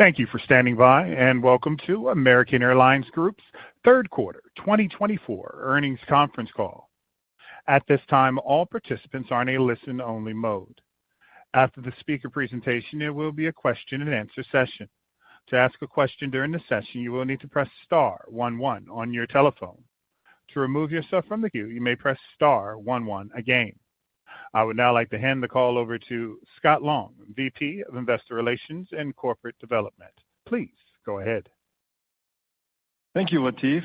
Thank you for standing by, and welcome to American Airlines Group's Third Quarter 2024 Earnings Conference Call. At this time, all participants are in a listen-only mode. After the speaker presentation, there will be a question-and-answer session. To ask a question during the session, you will need to press star one one on your telephone. To remove yourself from the queue, you may press star one one again. I would now like to hand the call over to Scott Long, VP of Investor Relations and Corporate Development. Please go ahead. Thank you, Latif.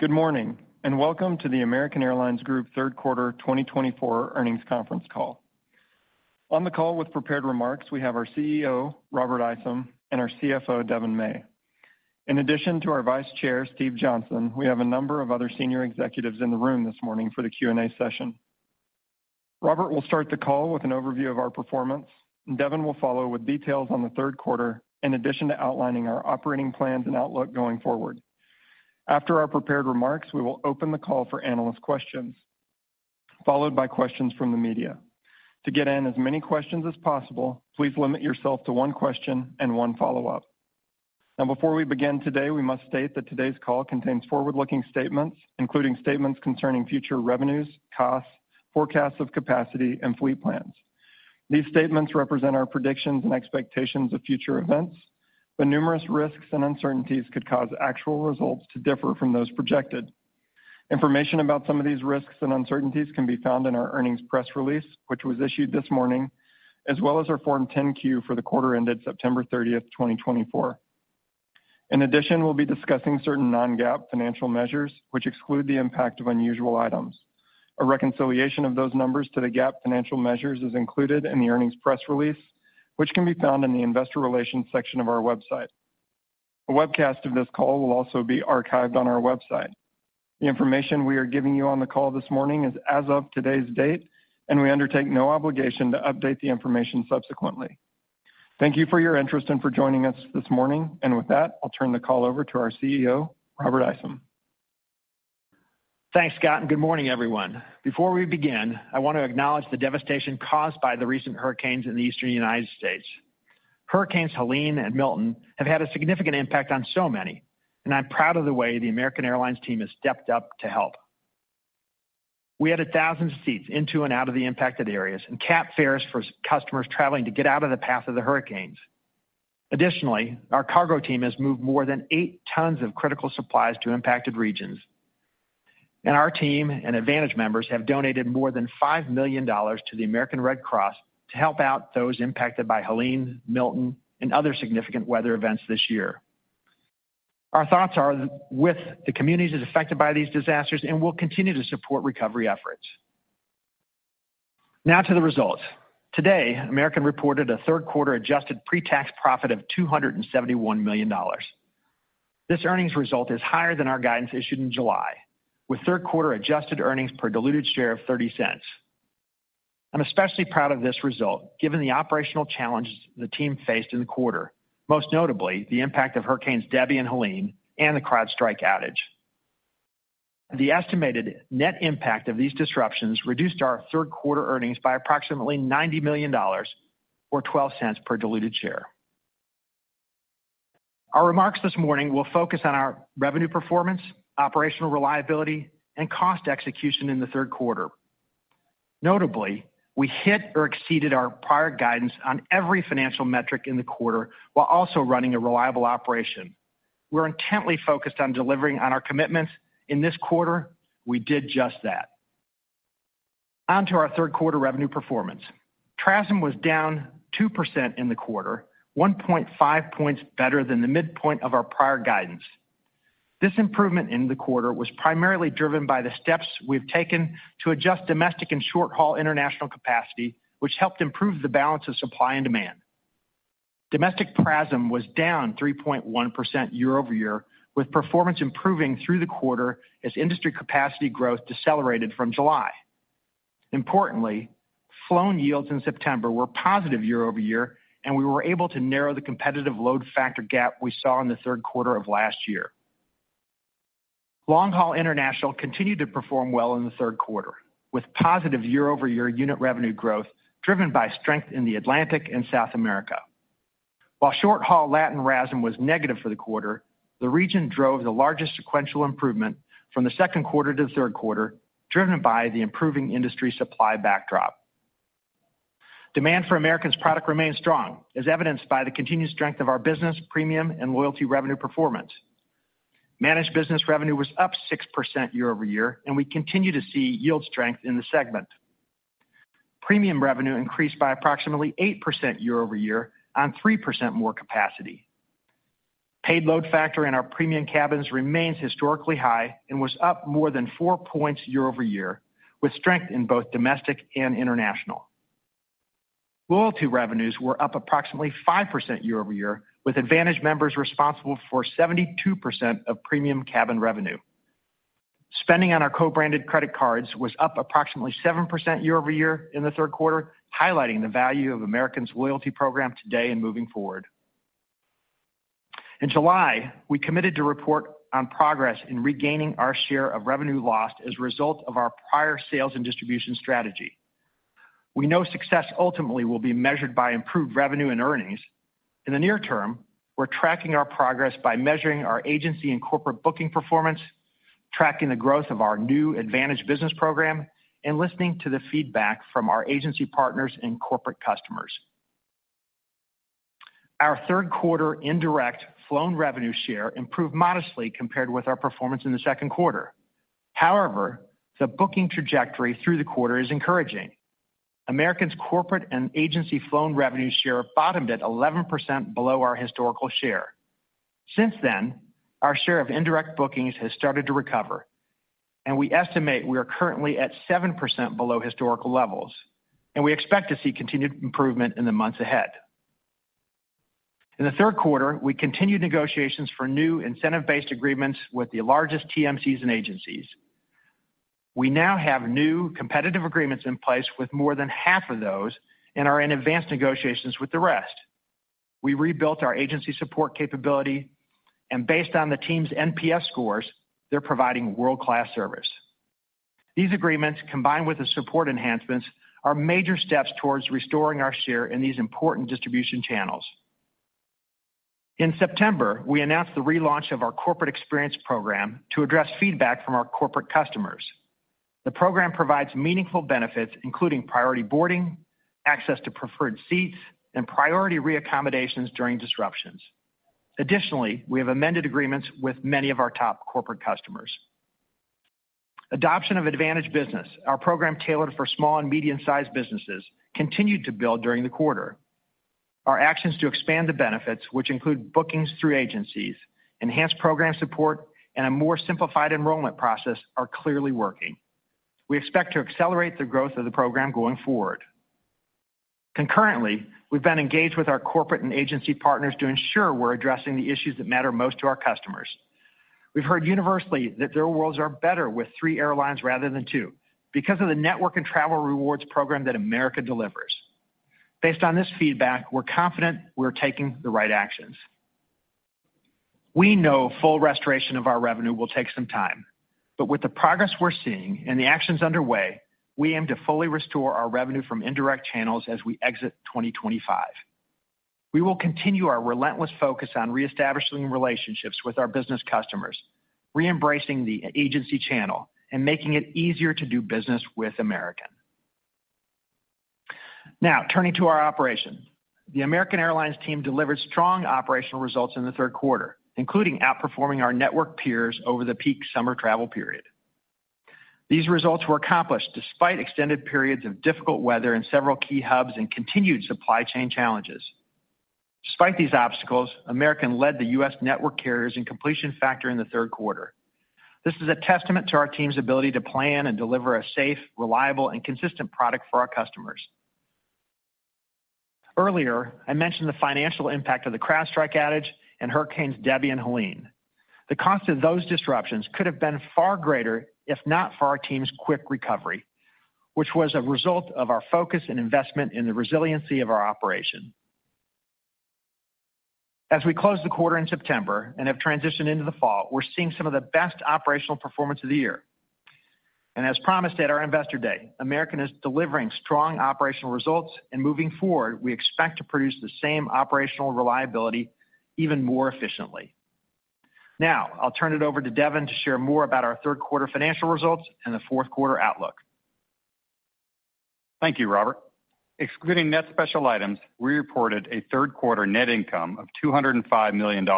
Good morning, and welcome to the American Airlines Group Third Quarter 2024 Earnings Conference Call. On the call with prepared remarks, we have our CEO, Robert Isom, and our CFO, Devon May. In addition to our Vice Chair, Steve Johnson, we have a number of other senior executives in the room this morning for the Q&A session. Robert will start the call with an overview of our performance, and Devon will follow with details on the third quarter, in addition to outlining our operating plans and outlook going forward. After our prepared remarks, we will open the call for analyst questions, followed by questions from the media. To get in as many questions as possible, please limit yourself to one question and one follow-up. Now, before we begin today, we must state that today's call contains forward-looking statements, including statements concerning future revenues, costs, forecasts of capacity, and fleet plans. These statements represent our predictions and expectations of future events, but numerous risks and uncertainties could cause actual results to differ from those projected. Information about some of these risks and uncertainties can be found in our earnings press release, which was issued this morning, as well as our Form 10-Q for the quarter ended September 30, 2024. In addition, we'll be discussing certain non-GAAP financial measures, which exclude the impact of unusual items. A reconciliation of those numbers to the GAAP financial measures is included in the earnings press release, which can be found in the investor relations section of our website. A webcast of this call will also be archived on our website. The information we are giving you on the call this morning is as of today's date, and we undertake no obligation to update the information subsequently. Thank you for your interest and for joining us this morning. And with that, I'll turn the call over to our CEO, Robert Isom. Thanks, Scott, and good morning, everyone. Before we begin, I want to acknowledge the devastation caused by the recent hurricanes in the Eastern United States. Hurricanes Helene and Milton have had a significant impact on so many, and I'm proud of the way the American Airlines team has stepped up to help. We had 1,000 seats into and out of the impacted areas and capped fares for customers traveling to get out of the path of the hurricanes. Additionally, our cargo team has moved more than eight tons of critical supplies to impacted regions, and our team and AAdvantage members have donated more than $5 million to the American Red Cross to help out those impacted by Helene, Milton, and other significant weather events this year. Our thoughts are with the communities affected by these disasters, and we'll continue to support recovery efforts. Now to the results. Today, American reported a third-quarter adjusted pre-tax profit of $271 million. This earnings result is higher than our guidance issued in July, with third-quarter adjusted earnings per diluted share of $0.30. I'm especially proud of this result, given the operational challenges the team faced in the quarter, most notably the impact of Hurricanes Debby and Helene and the CrowdStrike outage. The estimated net impact of these disruptions reduced our third quarter earnings by approximately $90 million, or $0.12 per diluted share. Our remarks this morning will focus on our revenue performance, operational reliability, and cost execution in the third quarter. Notably, we hit or exceeded our prior guidance on every financial metric in the quarter while also running a reliable operation. We're intently focused on delivering on our commitments. In this quarter, we did just that. On to our third quarter revenue performance. PRASM was down 2% in the quarter, 1.5 points better than the midpoint of our prior guidance. This improvement in the quarter was primarily driven by the steps we've taken to adjust domestic and short-haul international capacity, which helped improve the balance of supply and demand. Domestic PRASM was down 3.1% year-over-year, with performance improving through the quarter as industry capacity growth decelerated from July. Importantly, flown yields in September were positive year-over-year, and we were able to narrow the competitive load factor gap we saw in the third quarter of last year. Long-haul international continued to perform well in the third quarter, with positive year-over-year unit revenue growth driven by strength in the Atlantic and South American. While short-haul Latin RASM was negative for the quarter, the region drove the largest sequential improvement from the second quarter to the third quarter, driven by the improving industry supply backdrop. Demand for American's product remains strong, as evidenced by the continued strength of our business, premium, and loyalty revenue performance. Managed business revenue was up 6% year-over-year, and we continue to see yield strength in the segment. Premium revenue increased by approximately 8% year-over-year on 3% more capacity. Paid load factor in our premium cabins remains historically high and was up more than four points year-over-year, with strength in both domestic and international. Loyalty revenues were up approximately 5% year-over-year, with AAdvantage members responsible for 72% of premium cabin revenue. Spending on our co-branded credit cards was up approximately 7% year-over-year in the third quarter, highlighting the value of American's loyalty program today and moving forward. In July, we committed to report on progress in regaining our share of revenue lost as a result of our prior sales and distribution strategy. We know success ultimately will be measured by improved revenue and earnings. In the near term, we're tracking our progress by measuring our agency and corporate booking performance, tracking the growth of our new AAdvantage Business program, and listening to the feedback from our agency partners and corporate customers. Our third quarter indirect flown revenue share improved modestly compared with our performance in the second quarter. However, the booking trajectory through the quarter is encouraging. American's corporate and agency flown revenue share bottomed at 11% below our historical share. Since then, our share of indirect bookings has started to recover, and we estimate we are currently at 7% below historical levels, and we expect to see continued improvement in the months ahead. In the third quarter, we continued negotiations for new incentive-based agreements with the largest TMCs and agencies. We now have new competitive agreements in place with more than half of those and are in advanced negotiations with the rest. We rebuilt our agency support capability, and based on the team's NPS scores, they're providing world-class service. These agreements, combined with the support enhancements, are major steps towards restoring our share in these important distribution channels. In September, we announced the relaunch of our corporate experience program to address feedback from our corporate customers. The program provides meaningful benefits, including priority boarding, access to preferred seats, and priority re-accommodations during disruptions. Additionally, we have amended agreements with many of our top corporate customers. Adopton of AAdvantage Business, our program tailored for small and medium-sized businesses, continued to build during the quarter. Our actions to expand the benefits, which include bookings through agencies, enhanced program support, and a more simplified enrollment process, are clearly working. We expect to accelerate the growth of the program going forward. Concurrently, we've been engaged with our corporate and agency partners to ensure we're addressing the issues that matter most to our customers. We've heard universally that their worlds are better with three airlines rather than two because of the network and travel rewards program that American delivers. Based on this feedback, we're confident we're taking the right actions. We know full restoration of our revenue will take some time, but with the progress we're seeing and the actions underway, we aim to fully restore our revenue from indirect channels as we exit 2025. We will continue our relentless focus on reestablishing relationships with our business customers, reembracing the agency channel, and making it easier to do business with American. Now, turning to our operations. The American Airlines team delivered strong operational results in the third quarter, including outperforming our network peers over the peak summer travel period. These results were accomplished despite extended periods of difficult weather in several key hubs and continued supply chain challenges. Despite these obstacles, American led the U.S. network carriers in completion factor in the third quarter. This is a testament to our team's ability to plan and deliver a safe, reliable, and consistent product for our customers. Earlier, I mentioned the financial impact of the CrowdStrike outage and Hurricanes Debby and Helene. The cost of those disruptions could have been far greater, if not for our team's quick recovery, which was a result of our focus and investment in the resiliency of our operation. As we close the quarter in September and have transitioned into the fall, we're seeing some of the best operational performance of the year. And as promised at our Investor Day, American is delivering strong operational results, and moving forward, we expect to produce the same operational reliability even more efficiently. Now, I'll turn it over to Devon to share more about our third quarter financial results and the fourth quarter outlook. Thank you, Robert. Excluding net special items, we reported a third quarter net income of $205 million,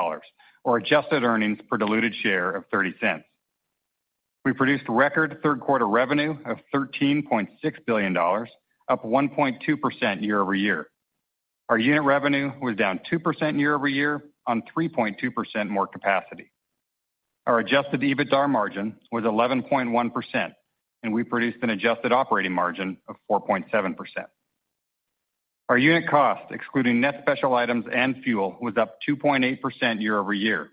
or adjusted earnings per diluted share of $0.30. We produced record third quarter revenue of $13.6 billion, up 1.2% year-over-year. Our unit revenue was down 2% year-over-year on 3.2% more capacity. Our Adjusted EBITDA margin was 11.1%, and we produced an adjusted operating margin of 4.7%. Our unit cost, excluding net special items and fuel, was up 2.8% year-over-year.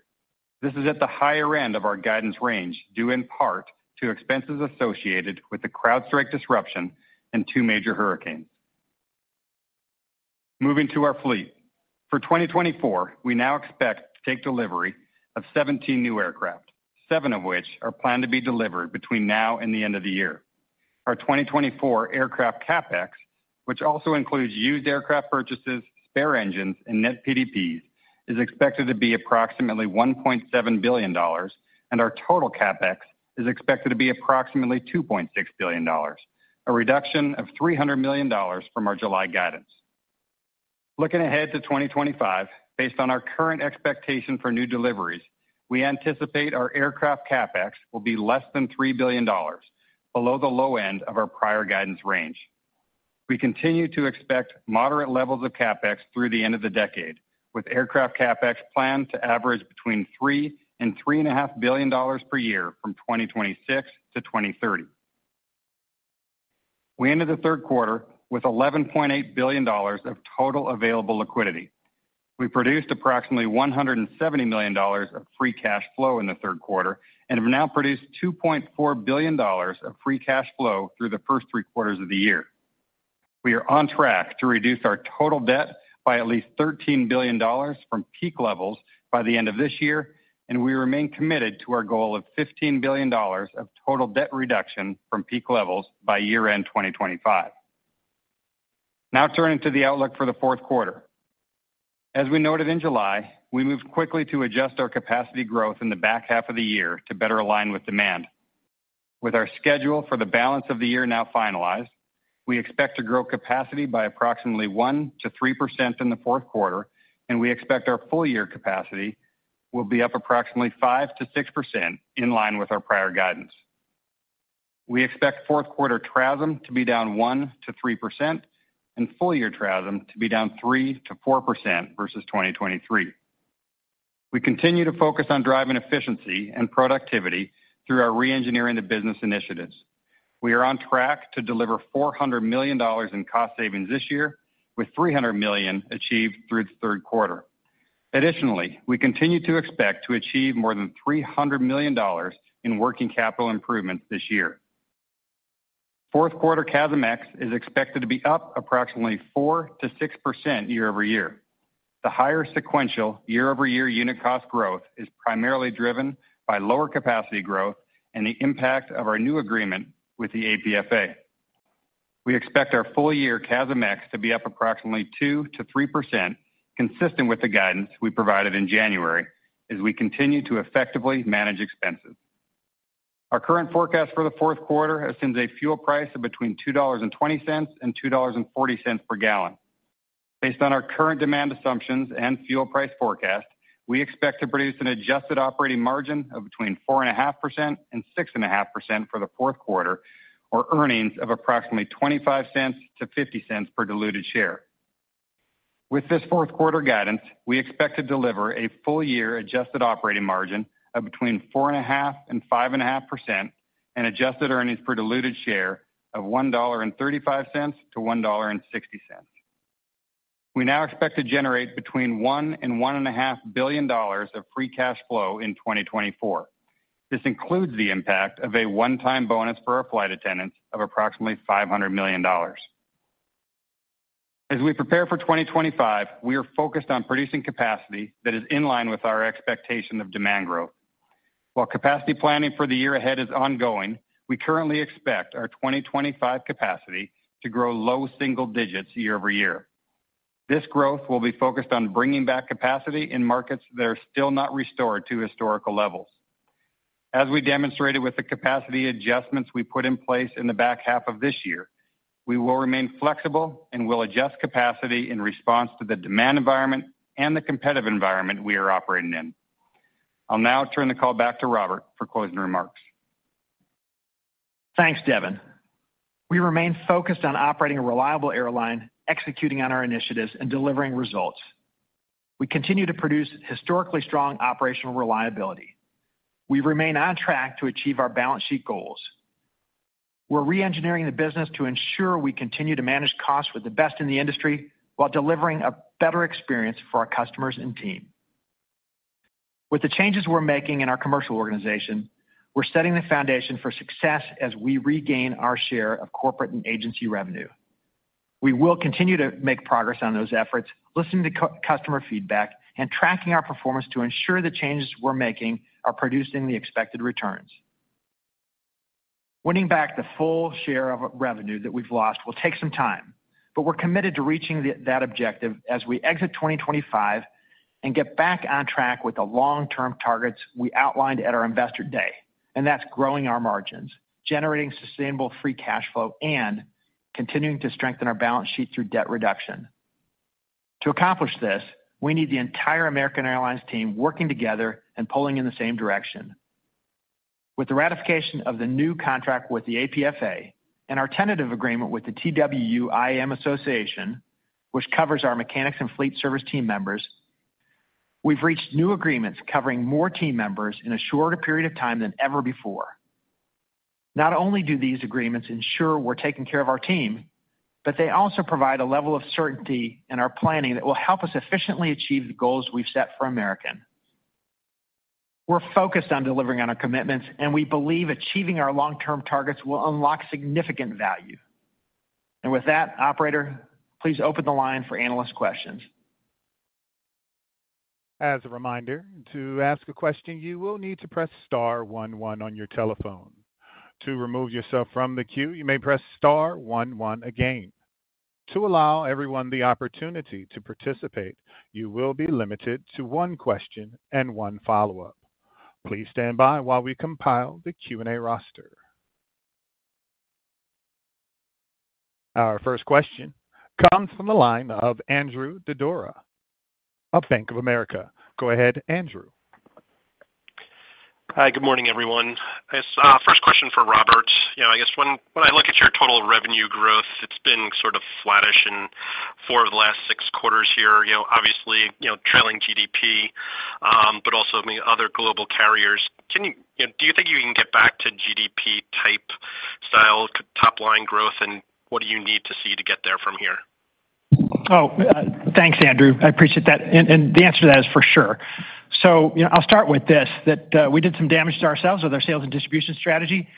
This is at the higher end of our guidance range, due in part to expenses associated with the CrowdStrike disruption and two major hurricanes. Moving to our fleet. For 2024, we now expect to take delivery of 17 new aircraft, seven of which are planned to be delivered between now and the end of the year. Our 2024 aircraft CapEx, which also includes used aircraft purchases, spare engines, and net PDPs, is expected to be approximately $1.7 billion, and our total CapEx is expected to be approximately $2.6 billion, a reduction of $300 million from our July guidance. Looking ahead to 2025, based on our current expectation for new deliveries, we anticipate our aircraft CapEx will be less than $3 billion, below the low end of our prior guidance range. We continue to expect moderate levels of CapEx through the end of the decade, with aircraft CapEx planned to average between $3 billion and $3.5 billion per year from 2026 to 2030. We ended the third quarter with $11.8 billion of total available liquidity. We produced approximately $170 million of free cash flow in the third quarter and have now produced $2.4 billion of free cash flow through the first three quarters of the year. We are on track to reduce our total debt by at least $13 billion from peak levels by the end of this year, and we remain committed to our goal of $15 billion of total debt reduction from peak levels by year-end 2025. Now turning to the outlook for the fourth quarter. As we noted in July, we moved quickly to adjust our capacity growth in the back half of the year to better align with demand. With our schedule for the balance of the year now finalized, we expect to grow capacity by approximately 1%-3% in the fourth quarter, and we expect our full-year capacity will be up approximately 5%-6%, in line with our prior guidance. We expect fourth quarter TRASM to be down 1%-3% and full-year TRASM to be down 3%-4% versus 2023. We continue to focus on driving efficiency and productivity through our reengineering the business initiatives. We are on track to deliver $400 million in cost savings this year, with $300 million achieved through the third quarter. Additionally, we continue to expect to achieve more than $300 million in working capital improvements this year. Fourth quarter CASM-ex is expected to be up approximately 4%-6% year-over-year. The higher sequential year-over-year unit cost growth is primarily driven by lower capacity growth and the impact of our new agreement with the APFA. We expect our full-year CASM-ex to be up approximately 2%-3%, consistent with the guidance we provided in January, as we continue to effectively manage expenses. Our current forecast for the fourth quarter assumes a fuel price of between $2.20 and $2.40 per gallon. Based on our current demand assumptions and fuel price forecast, we expect to produce an adjusted operating margin of between 4.5% and 6.5% for the fourth quarter, or earnings of approximately $0.25 to $0.50 per diluted share. With this fourth quarter guidance, we expect to deliver a full-year adjusted operating margin of between 4.5% and 5.5%, and adjusted earnings per diluted share of $1.35 to $1.60. We now expect to generate between $1 billion and $1.5 billion of free cash flow in 2024. This includes the impact of a one-time bonus for our flight attendants of approximately $500 million. As we prepare for 2025, we are focused on producing capacity that is in line with our expectation of demand growth. While capacity planning for the year ahead is ongoing, we currently expect our 2025 capacity to grow low single digits year-over-year. This growth will be focused on bringing back capacity in markets that are still not restored to historical levels. As we demonstrated with the capacity adjustments we put in place in the back half of this year, we will remain flexible and will adjust capacity in response to the demand environment and the competitive environment we are operating in. I'll now turn the call back to Robert for closing remarks. Thanks, Devon. We remain focused on operating a reliable airline, executing on our initiatives, and delivering results. We continue to produce historically strong operational reliability. We remain on track to achieve our balance sheet goals. We're reengineering the business to ensure we continue to manage costs with the best in the industry, while delivering a better experience for our customers and team. With the changes we're making in our commercial organization, we're setting the foundation for success as we regain our share of corporate and agency revenue. We will continue to make progress on those efforts, listening to customer feedback and tracking our performance to ensure the changes we're making are producing the expected returns. Winning back the full share of revenue that we've lost will take some time, but we're committed to reaching that objective as we exit 2025 and get back on track with the long-term targets we outlined at our Investor Day, and that's growing our margins, generating sustainable free cash flow, and continuing to strengthen our balance sheet through debt reduction. To accomplish this, we need the entire American Airlines team working together and pulling in the same direction. With the ratification of the new contract with the APFA and our tentative agreement with the TWU-IAM Association, which covers our mechanics and fleet service team members, we've reached new agreements covering more team members in a shorter period of time than ever before. Not only do these agreements ensure we're taking care of our team, but they also provide a level of certainty in our planning that will help us efficiently achieve the goals we've set for American. We're focused on delivering on our commitments, and we believe achieving our long-term targets will unlock significant value. And with that, operator, please open the line for analyst questions. As a reminder, to ask a question, you will need to press star one one on your telephone. To remove yourself from the queue, you may press star one one again. To allow everyone the opportunity to participate, you will be limited to one question and one follow-up. Please stand by while we compile the Q&A roster. Our first question comes from the line of Andrew Didora of Bank of America. Go ahead, Andrew. Hi, good morning, everyone. This first question for Robert. You know, I guess when I look at your total revenue growth, it's been sort of flattish in four of the last six quarters here, you know, obviously, you know, trailing GDP, but also many other global carriers. Do you think you can get back to GDP type style top-line growth, and what do you need to see to get there from here? ... Oh, thanks, Andrew. I appreciate that. And the answer to that is for sure. So, you know, I'll start with this, that we did some damage to ourselves with our sales and distribution strategy.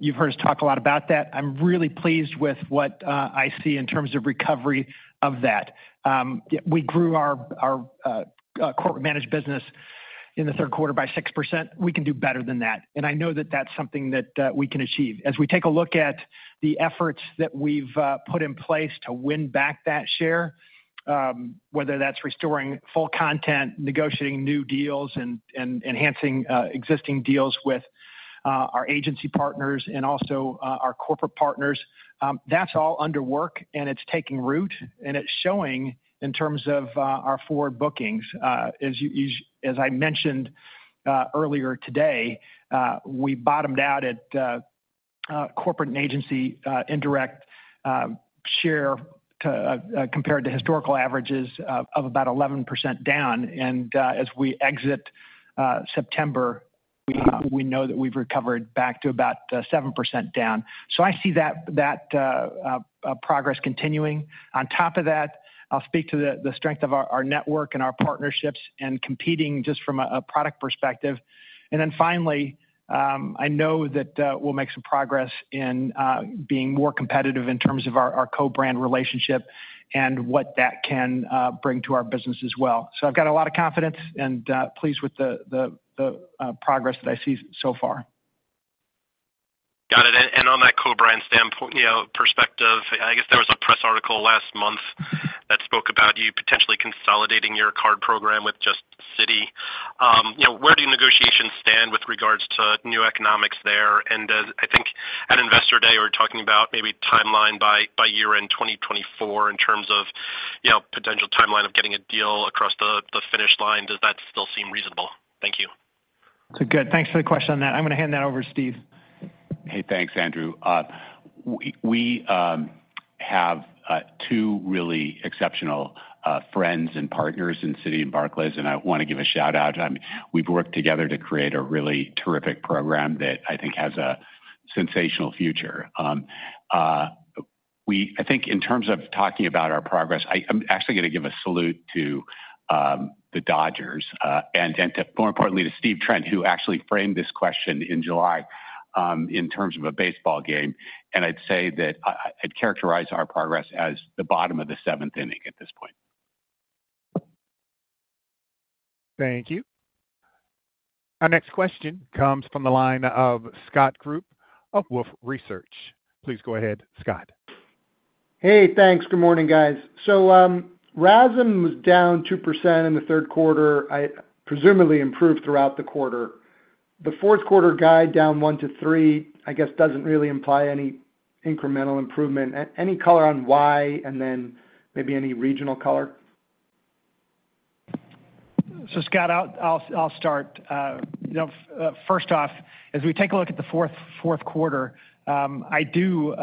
You've heard us talk a lot about that. I'm really pleased with what I see in terms of recovery of that. Yeah, we grew our corporate managed business in the third quarter by 6%. We can do better than that, and I know that that's something that we can achieve. As we take a look at the efforts that we've put in place to win back that share, whether that's restoring full content, negotiating new deals, and enhancing existing deals with our agency partners and also our corporate partners, that's all under work, and it's taking root, and it's showing in terms of our forward bookings. As I mentioned earlier today, we bottomed out at corporate and agency indirect share, too, compared to historical averages of about 11% down. And as we exit September, we know that we've recovered back to about 7% down. So I see that progress continuing. On top of that, I'll speak to the strength of our network and our partnerships and competing just from a product perspective. And then finally, I know that we'll make some progress in being more competitive in terms of our co-brand relationship and what that can bring to our business as well. So I've got a lot of confidence and pleased with the progress that I see so far. Got it. And on that co-brand standpoint, you know, perspective, I guess there was a press article last month that spoke about you potentially consolidating your card program with just Citi. You know, where do negotiations stand with regards to new economics there? And I think at Investor Day, we're talking about maybe timeline by year-end 2024, in terms of, you know, potential timeline of getting a deal across the finish line. Does that still seem reasonable? Thank you. So, good. Thanks for the question on that. I'm going to hand that over to Steve. Hey, thanks, Andrew. We have two really exceptional friends and partners in Citi and Barclays, and I want to give a shout-out. I mean, we've worked together to create a really terrific program that I think has a sensational future. I think in terms of talking about our progress, I'm actually going to give a salute to the Dodgers and, more importantly, to Steve Trent, who actually framed this question in July in terms of a baseball game, and I'd say that I'd characterize our progress as the bottom of the seventh inning at this point. Thank you. Our next question comes from the line of Scott Group of Wolfe Research. Please go ahead, Scott. Hey, thanks. Good morning, guys. So, RASM was down 2% in the third quarter, presumably improved throughout the quarter. The fourth quarter guide down 1%-3%, I guess, doesn't really imply any incremental improvement. Any color on why, and then maybe any regional color? So, Scott, I'll start. You know, first off, as we take a look at the fourth quarter, I do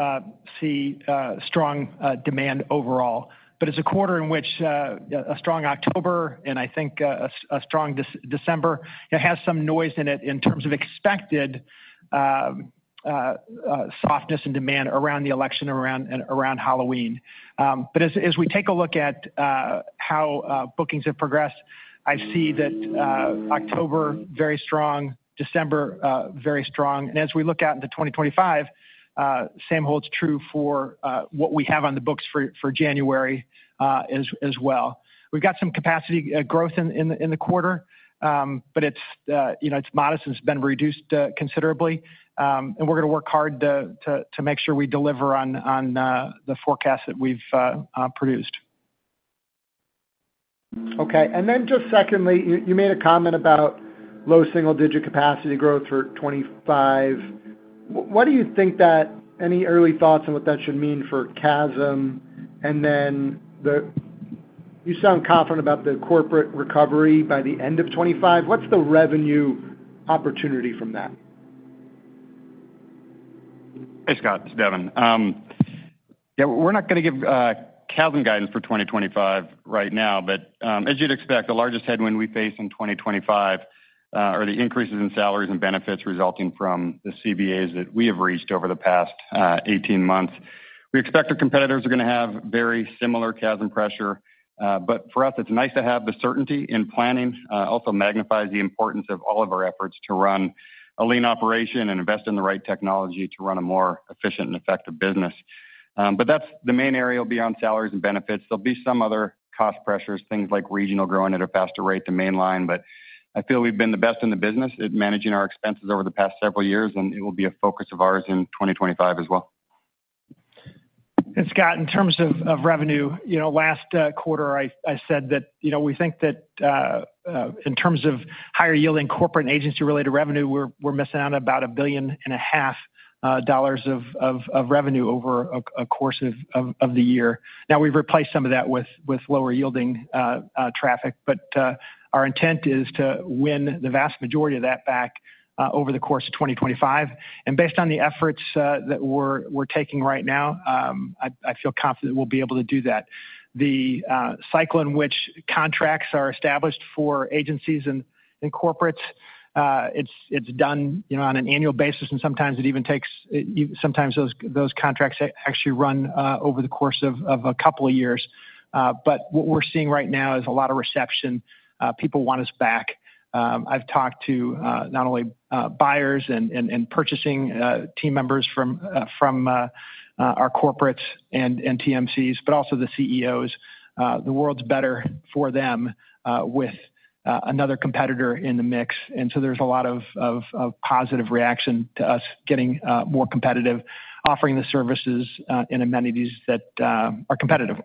see strong demand overall, but it's a quarter in which a strong October, and I think a strong December. It has some noise in it in terms of expected softness and demand around the election and around Halloween. But as we take a look at how bookings have progressed, I see that October very strong, December very strong. And as we look out into 2025, same holds true for what we have on the books for January as well. We've got some capacity growth in the quarter, but it's, you know, it's modest, it's been reduced considerably. And we're going to work hard to make sure we deliver on the forecast that we've produced. Okay. Then just secondly, you made a comment about low single-digit capacity growth for 2025. What do you think that... any early thoughts on what that should mean for CASM? Then you sound confident about the corporate recovery by the end of 2025. What's the revenue opportunity from that? Hey, Scott, it's Devon. Yeah, we're not going to give CASM guidance for 2025 right now, but as you'd expect, the largest headwind we face in 2025 are the increases in salaries and benefits resulting from the CBAs that we have reached over the past 18 months. We expect our competitors are going to have very similar CASM pressure, but for us, it's nice to have the certainty in planning. Also magnifies the importance of all of our efforts to run a lean operation and invest in the right technology to run a more efficient and effective business. But that's the main area will be on salaries and benefits. There'll be some other cost pressures, things like regional growing at a faster rate, the mainline, but I feel we've been the best in the business at managing our expenses over the past several years, and it will be a focus of ours in 2025 as well. Scott, in terms of revenue, you know, last quarter, I said that, you know, we think that in terms of higher yielding corporate and agency-related revenue, we're missing out on about $1.5 billion of revenue over a course of the year. Now, we've replaced some of that with lower yielding traffic, but our intent is to win the vast majority of that back over the course of 2025. And based on the efforts that we're taking right now, I feel confident we'll be able to do that. The cycle in which contracts are established for agencies and corporates, it's done, you know, on an annual basis, and sometimes it even takes sometimes those contracts actually run over the course of a couple of years. But what we're seeing right now is a lot of reception. People want us back. I've talked to not only buyers and purchasing team members from our corporates and TMCs, but also the CEOs. The world's better for them with another competitor in the mix. And so there's a lot of positive reaction to us getting more competitive, offering the services and amenities that are competitive.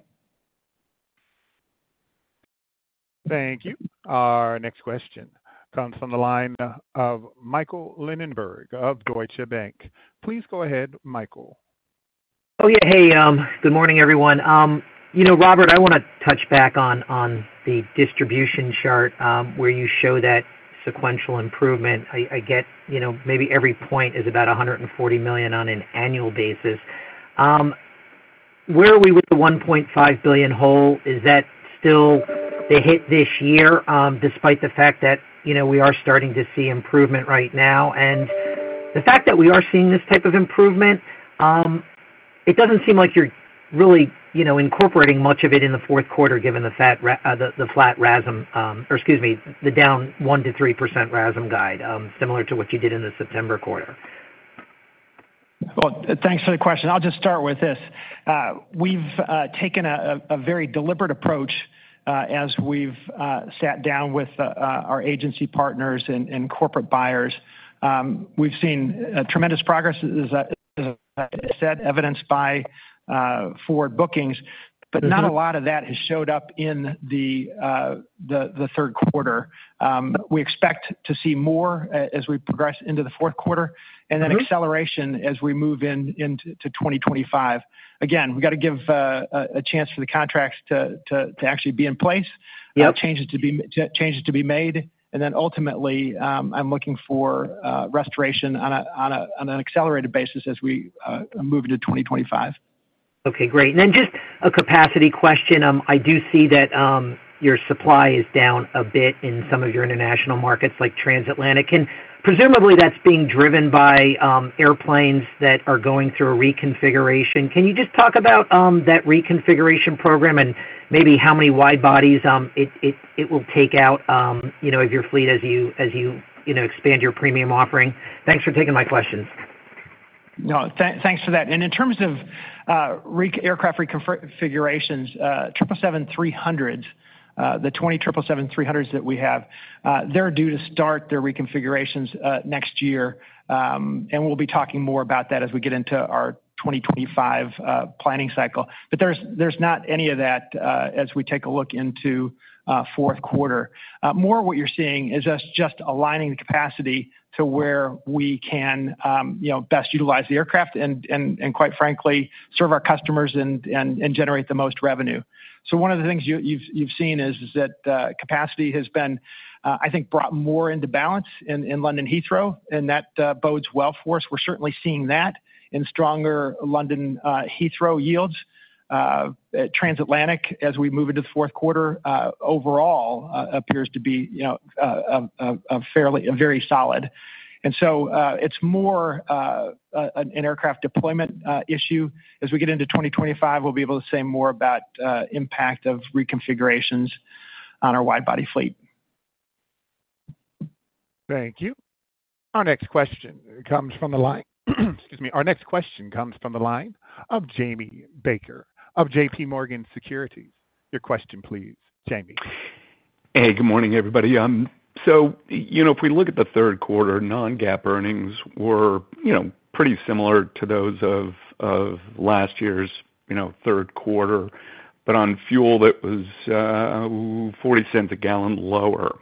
Thank you. Our next question comes from the line of Michael Linenberg of Deutsche Bank. Please go ahead, Michael. Oh, yeah. Hey, good morning, everyone. You know, Robert, I wanna touch back on the distribution chart where you show that sequential improvement. I get, you know, maybe every point is about $140 million on an annual basis. Where are we with the $1.5 billion hole? Is that still the hit this year, despite the fact that, you know, we are starting to see improvement right now? And the fact that we are seeing this type of improvement, it doesn't seem like you're really, you know, incorporating much of it in the fourth quarter, given the flat RASM, or excuse me, the down 1%-3% RASM guide, similar to what you did in the September quarter. Thanks for the question. I'll just start with this. We've taken a very deliberate approach as we've sat down with our agency partners and corporate buyers. We've seen tremendous progress, as I said, evidenced by forward bookings, but not a lot of that has showed up in the third quarter. We expect to see more as we progress into the fourth quarter, and then acceleration as we move into 2025. Again, we gotta give a chance for the contracts to actually be in place- Yep. Changes to be made, and then ultimately, I'm looking for restoration on an accelerated basis as we move into 2025. Okay, great. And then just a capacity question. I do see that your supply is down a bit in some of your international markets, like transatlantic, and presumably that's being driven by airplanes that are going through a reconfiguration. Can you just talk about that reconfiguration program and maybe how many wide bodies it will take out, you know, of your fleet as you you know expand your premium offering? Thanks for taking my questions. No, thanks for that. And in terms of aircraft reconfigurations, 777-300, the 20 777-300 that we have, they're due to start their reconfigurations next year. And we'll be talking more about that as we get into our 2025 planning cycle. But there's not any of that as we take a look into fourth quarter. More what you're seeing is us just aligning the capacity to where we can, you know, best utilize the aircraft and quite frankly serve our customers and generate the most revenue. So one of the things you've seen is that capacity has been, I think, brought more into balance in London Heathrow, and that bodes well for us. We're certainly seeing that in stronger London Heathrow yields. Transatlantic, as we move into the fourth quarter, overall appears to be, you know, fairly very solid, and so it's more an aircraft deployment issue. As we get into 2025, we'll be able to say more about impact of reconfigurations on our widebody fleet. Thank you. Our next question comes from the line, excuse me. Our next question comes from the line of Jamie Baker of J.P. Morgan Securities. Your question, please, Jamie. Hey, good morning, everybody. So, you know, if we look at the third quarter, non-GAAP earnings were, you know, pretty similar to those of last year's, you know, third quarter, but on fuel, that was $0.40 a gallon lower.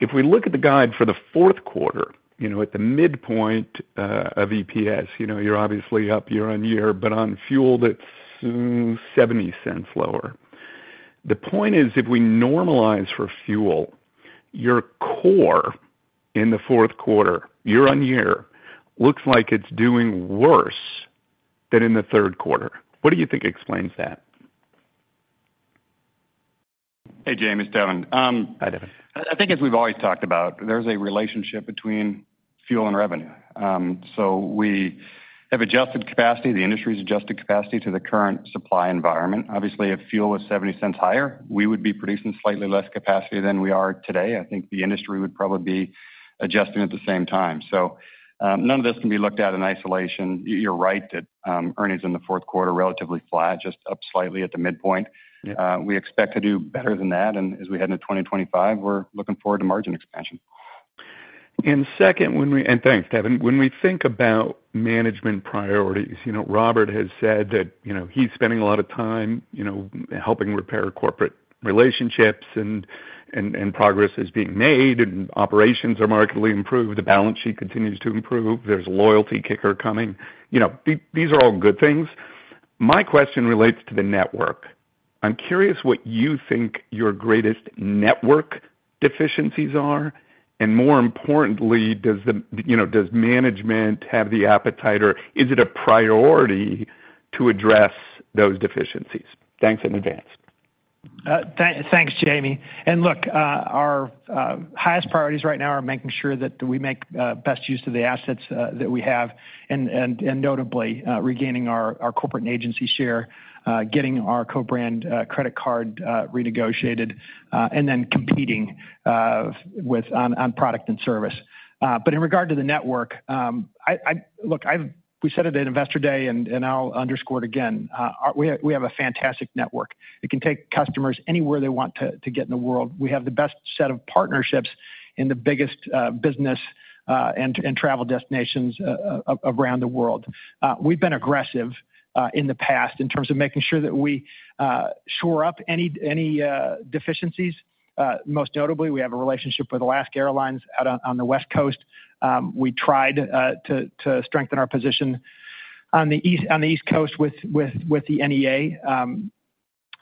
If we look at the guide for the fourth quarter, you know, at the midpoint of EPS, you know, you're obviously up year on year, but on fuel, that's $0.70 lower. The point is, if we normalize for fuel, your core in the fourth quarter, year-on-year, looks like it's doing worse than in the third quarter. What do you think explains that? Hey, Jamie, it's Devon, Hi, Devon. I think as we've always talked about, there's a relationship between fuel and revenue. So we have adjusted capacity, the industry's adjusted capacity to the current supply environment. Obviously, if fuel was $0.70 higher, we would be producing slightly less capacity than we are today. I think the industry would probably be adjusting at the same time. So, none of this can be looked at in isolation. You're right that, earnings in the fourth quarter are relatively flat, just up slightly at the midpoint. Yeah. We expect to do better than that, and as we head into 2025, we're looking forward to margin expansion. And second, when we and thanks, Devon. When we think about management priorities, you know, Robert has said that, you know, he's spending a lot of time, you know, helping repair corporate relationships and progress is being made, and operations are markedly improved. The balance sheet continues to improve. There's a loyalty kicker coming. You know, these are all good things. My question relates to the network. I'm curious what you think your greatest network deficiencies are, and more importantly, does the, you know, does management have the appetite, or is it a priority to address those deficiencies? Thanks in advance. ... Thanks, Jamie. And look, our highest priorities right now are making sure that we make best use of the assets that we have, and notably, regaining our corporate and agency share, getting our co-brand credit card renegotiated, and then competing on product and service. But in regard to the network, look, we said it at Investor Day, and I'll underscore it again, we have a fantastic network. It can take customers anywhere they want to go to in the world. We have the best set of partnerships in the biggest business and travel destinations around the world. We've been aggressive in the past in terms of making sure that we shore up any deficiencies. Most notably, we have a relationship with Alaska Airlines out on the West Coast. We tried to strengthen our position on the East Coast with the NEA.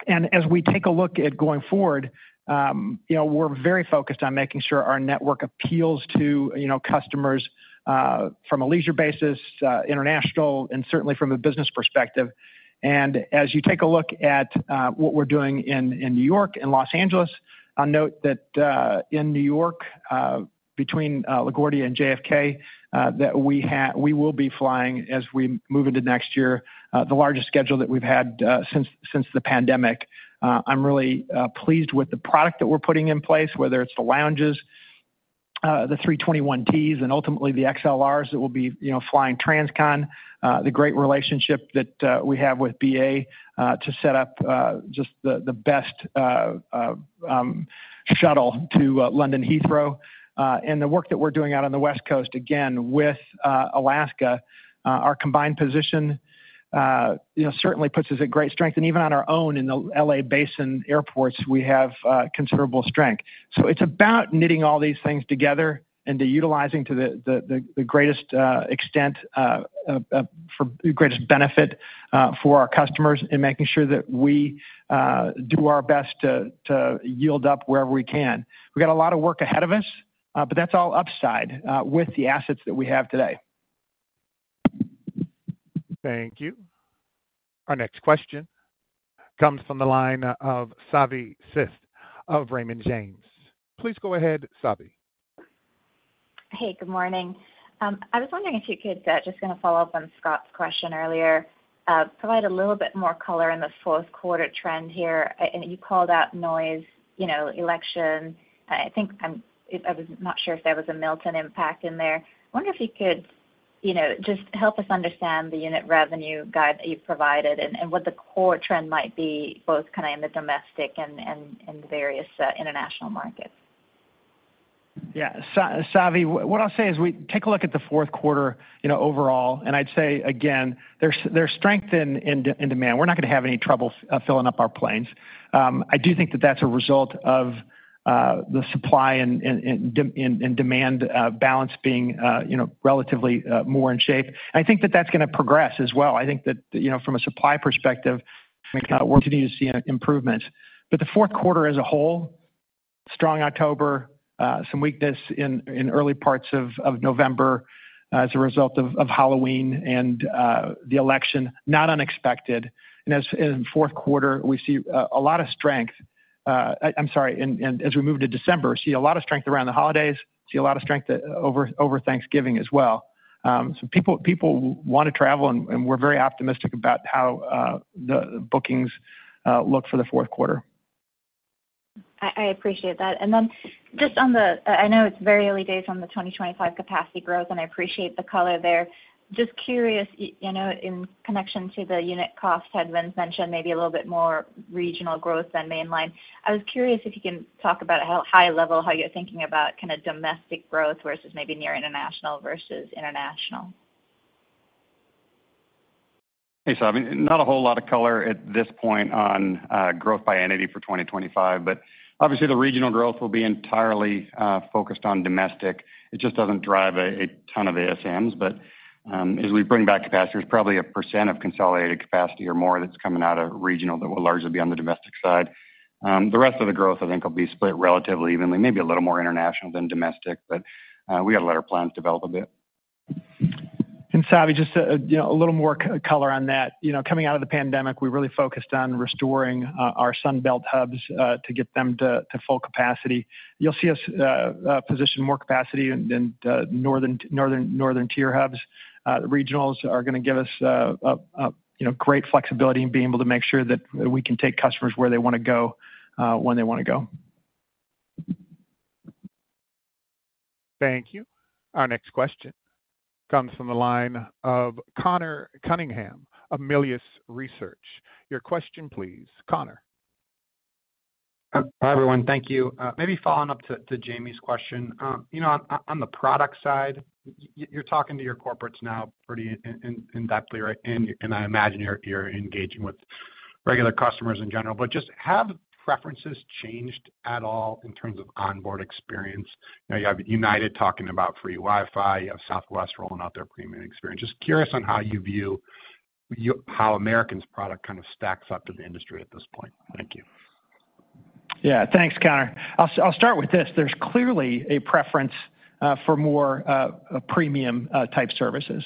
And as we take a look at going forward, you know, we're very focused on making sure our network appeals to, you know, customers from a leisure basis, international and certainly from a business perspective. And as you take a look at what we're doing in New York and Los Angeles, I'll note that in New York, between LaGuardia and JFK, that we will be flying as we move into next year the largest schedule that we've had since the pandemic. I'm really pleased with the product that we're putting in place, whether it's the lounges, the A321T and ultimately the XLRs that will be, you know, flying transcon, the great relationship that we have with BA to set up just the best shuttle to London, Heathrow, and the work that we're doing out on the West Coast, again, with Alaska, our combined position, you know, certainly puts us at great strength. And even on our own, in the LA Basin airports, we have considerable strength. So it's about knitting all these things together and utilizing to the greatest extent for the greatest benefit for our customers and making sure that we do our best to yield up wherever we can. We've got a lot of work ahead of us, but that's all upside, with the assets that we have today. Thank you. Our next question comes from the line of Savi Syth of Raymond James. Please go ahead, Savi. Hey, good morning. I was wondering if you could just gonna follow up on Scott's question earlier, provide a little bit more color on the fourth quarter trend here, and you called out noise, you know, election. I think I was not sure if there was a Milton impact in there. I wonder if you could, you know, just help us understand the unit revenue guide that you've provided and what the core trend might be, both kind of in the domestic and the various international markets. Yeah, Savi, what I'll say is we take a look at the fourth quarter, you know, overall, and I'd say again, there's strength in demand. We're not gonna have any trouble filling up our planes. I do think that that's a result of the supply and demand balance being, you know, relatively more in shape. I think that that's gonna progress as well. I think that, you know, from a supply perspective, we're continuing to see an improvement. But the fourth quarter as a whole, strong October, some weakness in early parts of November as a result of Halloween and the election, not unexpected. And as in fourth quarter, we see a lot of strength. As we move to December, see a lot of strength around the holidays and over Thanksgiving as well. So people wanna travel, and we're very optimistic about how the bookings look for the fourth quarter. I appreciate that. And then just on the, I know it's very early days on the 2025 capacity growth, and I appreciate the color there. Just curious, you know, in connection to the unit cost had been mentioned, maybe a little bit more regional growth than mainline. I was curious if you can talk about how high level, how you're thinking about kind of domestic growth versus maybe near international versus international. Hey, Savi, not a whole lot of color at this point on growth by entity for 2025, but obviously, the regional growth will be entirely focused on domestic. It just doesn't drive a ton of ASMs. But as we bring back capacity, there's probably 1% of consolidated capacity or more that's coming out of regional that will largely be on the domestic side. The rest of the growth, I think, will be split relatively evenly, maybe a little more international than domestic, but we gotta let our plans develop a bit. Savi, just, you know, a little more color on that. You know, coming out of the pandemic, we really focused on restoring our Sun Belt hubs to get them to full capacity. You'll see us position more capacity in northern tier hubs. Regionals are gonna give us a you know, great flexibility in being able to make sure that we can take customers where they wanna go, when they wanna go. Thank you. Our next question comes from the line of Conor Cunningham of Melius Research. Your question, please, Conor. Hi, everyone. Thank you. Maybe following up to Jamie's question. You know, on the product side, you're talking to your corporates now pretty in depth, right? And I imagine you're engaging with regular customers in general, but just have preferences changed at all in terms of onboard experience? Now, you have United talking about free Wi-Fi, you have Southwest rolling out their premium experience. Just curious on how you view how American's product kind of stacks up to the industry at this point. Thank you.... Yeah, thanks, Conor. I'll start with this. There's clearly a preference for more a premium type services.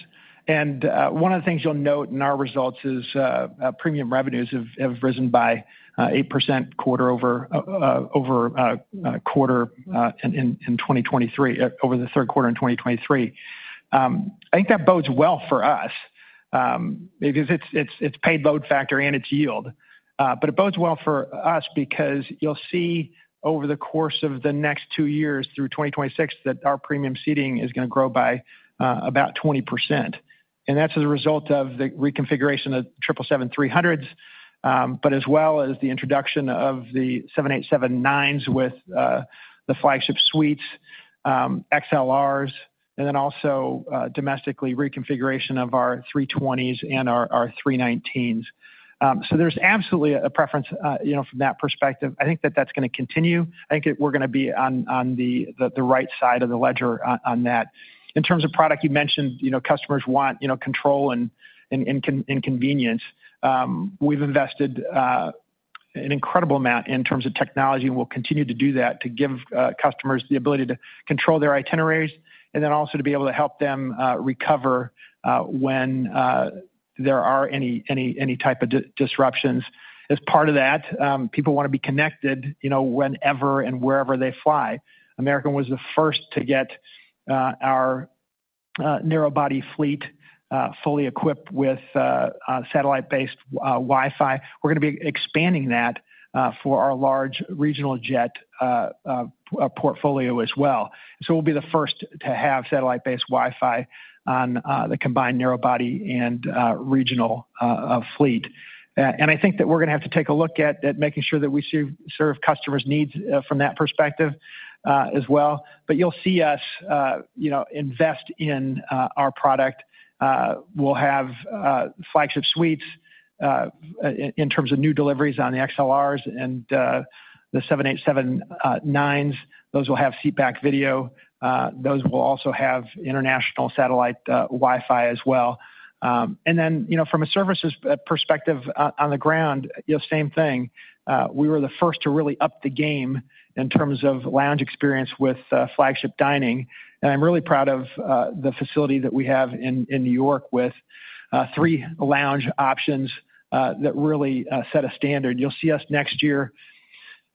One of the things you'll note in our results is premium revenues have risen by 8% quarter-over-quarter in 2023 over the third quarter in 2023. I think that bodes well for us because it's paid load factor and it's yield. But it bodes well for us because you'll see over the course of the next two years through 2026, that our premium seating is gonna grow by about 20%. And that's as a result of the reconfiguration of 777-300s, but as well as the introduction of the 787-9s with the Flagship Suites, XLRs, and then also, domestically, reconfiguration of our 320s and our 319s. So there's absolutely a preference, you know, from that perspective. I think that that's gonna continue. I think it, we're gonna be on the right side of the ledger on that. In terms of product, you mentioned, you know, customers want, you know, control and convenience. We've invested an incredible amount in terms of technology, and we'll continue to do that, to give customers the ability to control their itineraries, and then also to be able to help them recover when there are any, any, any type of disruptions. As part of that, people wanna be connected, you know, whenever and wherever they fly. American was the first to get our narrow-body fleet fully equipped with a satellite-based Wi-Fi. We're gonna be expanding that for our large regional jet portfolio as well. So we'll be the first to have satellite-based Wi-Fi on the combined narrow-body and regional fleet. And I think that we're gonna have to take a look at making sure that we serve customers' needs from that perspective as well. But you'll see us, you know, invest in our product. We'll have Flagship Suites in terms of new deliveries on the XLRs and the 787-9s. Those will have seat back video. Those will also have international satellite Wi-Fi as well. And then, you know, from a services perspective, on the ground, you know, same thing. We were the first to really up the game in terms of lounge experience with Flagship Dining, and I'm really proud of the facility that we have in New York with three lounge options that really set a standard. You'll see us next year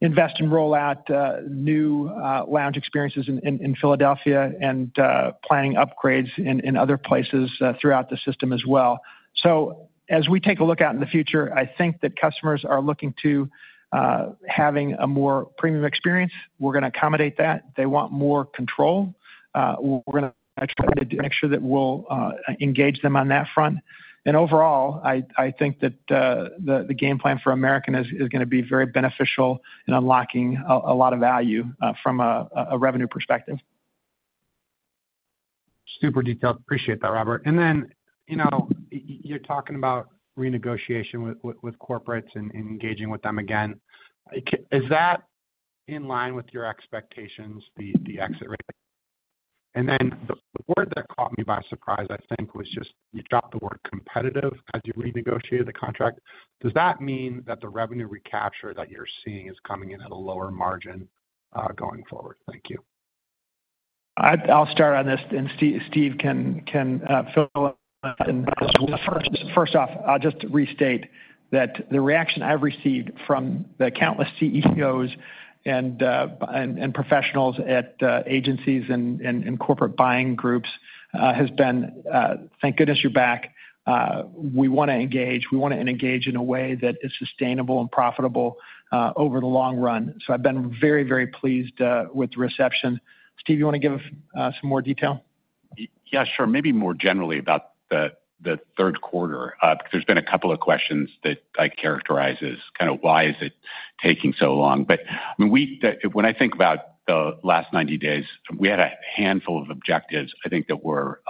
invest and roll out new lounge experiences in Philadelphia and planning upgrades in other places throughout the system as well. So as we take a look out in the future, I think that customers are looking to having a more premium experience. We're gonna accommodate that. They want more control. We're gonna make sure that we'll engage them on that front. And overall, I think that the game plan for American is gonna be very beneficial in unlocking a lot of value from a revenue perspective. Super detailed. Appreciate that, Robert. And then, you know, you're talking about renegotiation with corporates and engaging with them again. Is that in line with your expectations, the exit rate? And then the word that caught me by surprise, I think, was just you dropped the word competitive as you renegotiated the contract. Does that mean that the revenue recapture that you're seeing is coming in at a lower margin, going forward? Thank you. I'll start on this, and Steve can fill in. First off, I'll just restate that the reaction I've received from the countless CEOs and professionals at agencies and corporate buying groups has been, "Thank goodness, you're back. We wanna engage. We wanna engage in a way that is sustainable and profitable over the long run." So I've been very, very pleased with the reception. Steve, you wanna give us some more detail? Yeah, sure. Maybe more generally about the third quarter, because there's been a couple of questions that I characterize as kind of, Why is it taking so long? But when I think about the last 90 days, we had a handful of objectives, I think, that were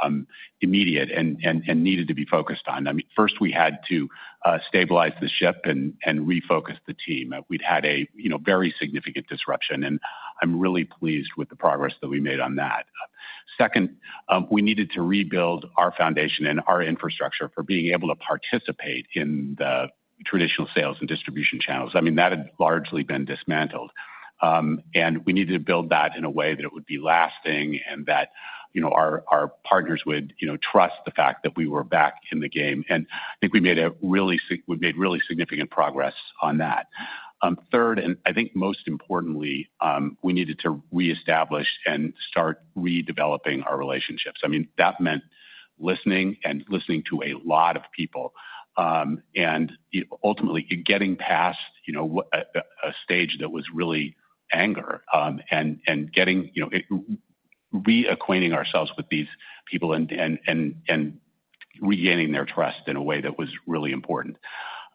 immediate and needed to be focused on. I mean, first, we had to stabilize the ship and refocus the team. We'd had a, you know, very significant disruption, and I'm really pleased with the progress that we made on that. Second, we needed to rebuild our foundation and our infrastructure for being able to participate in the traditional sales and distribution channels. I mean, that had largely been dismantled. And we needed to build that in a way that it would be lasting and that, you know, our, our partners would, you know, trust the fact that we were back in the game. And I think we made really significant progress on that. Third, and I think most importantly, we needed to reestablish and start redeveloping our relationships. I mean, that meant listening and listening to a lot of people, and ultimately getting past, you know, a stage that was really anger, and getting, you know, reacquainting ourselves with these people and regaining their trust in a way that was really important.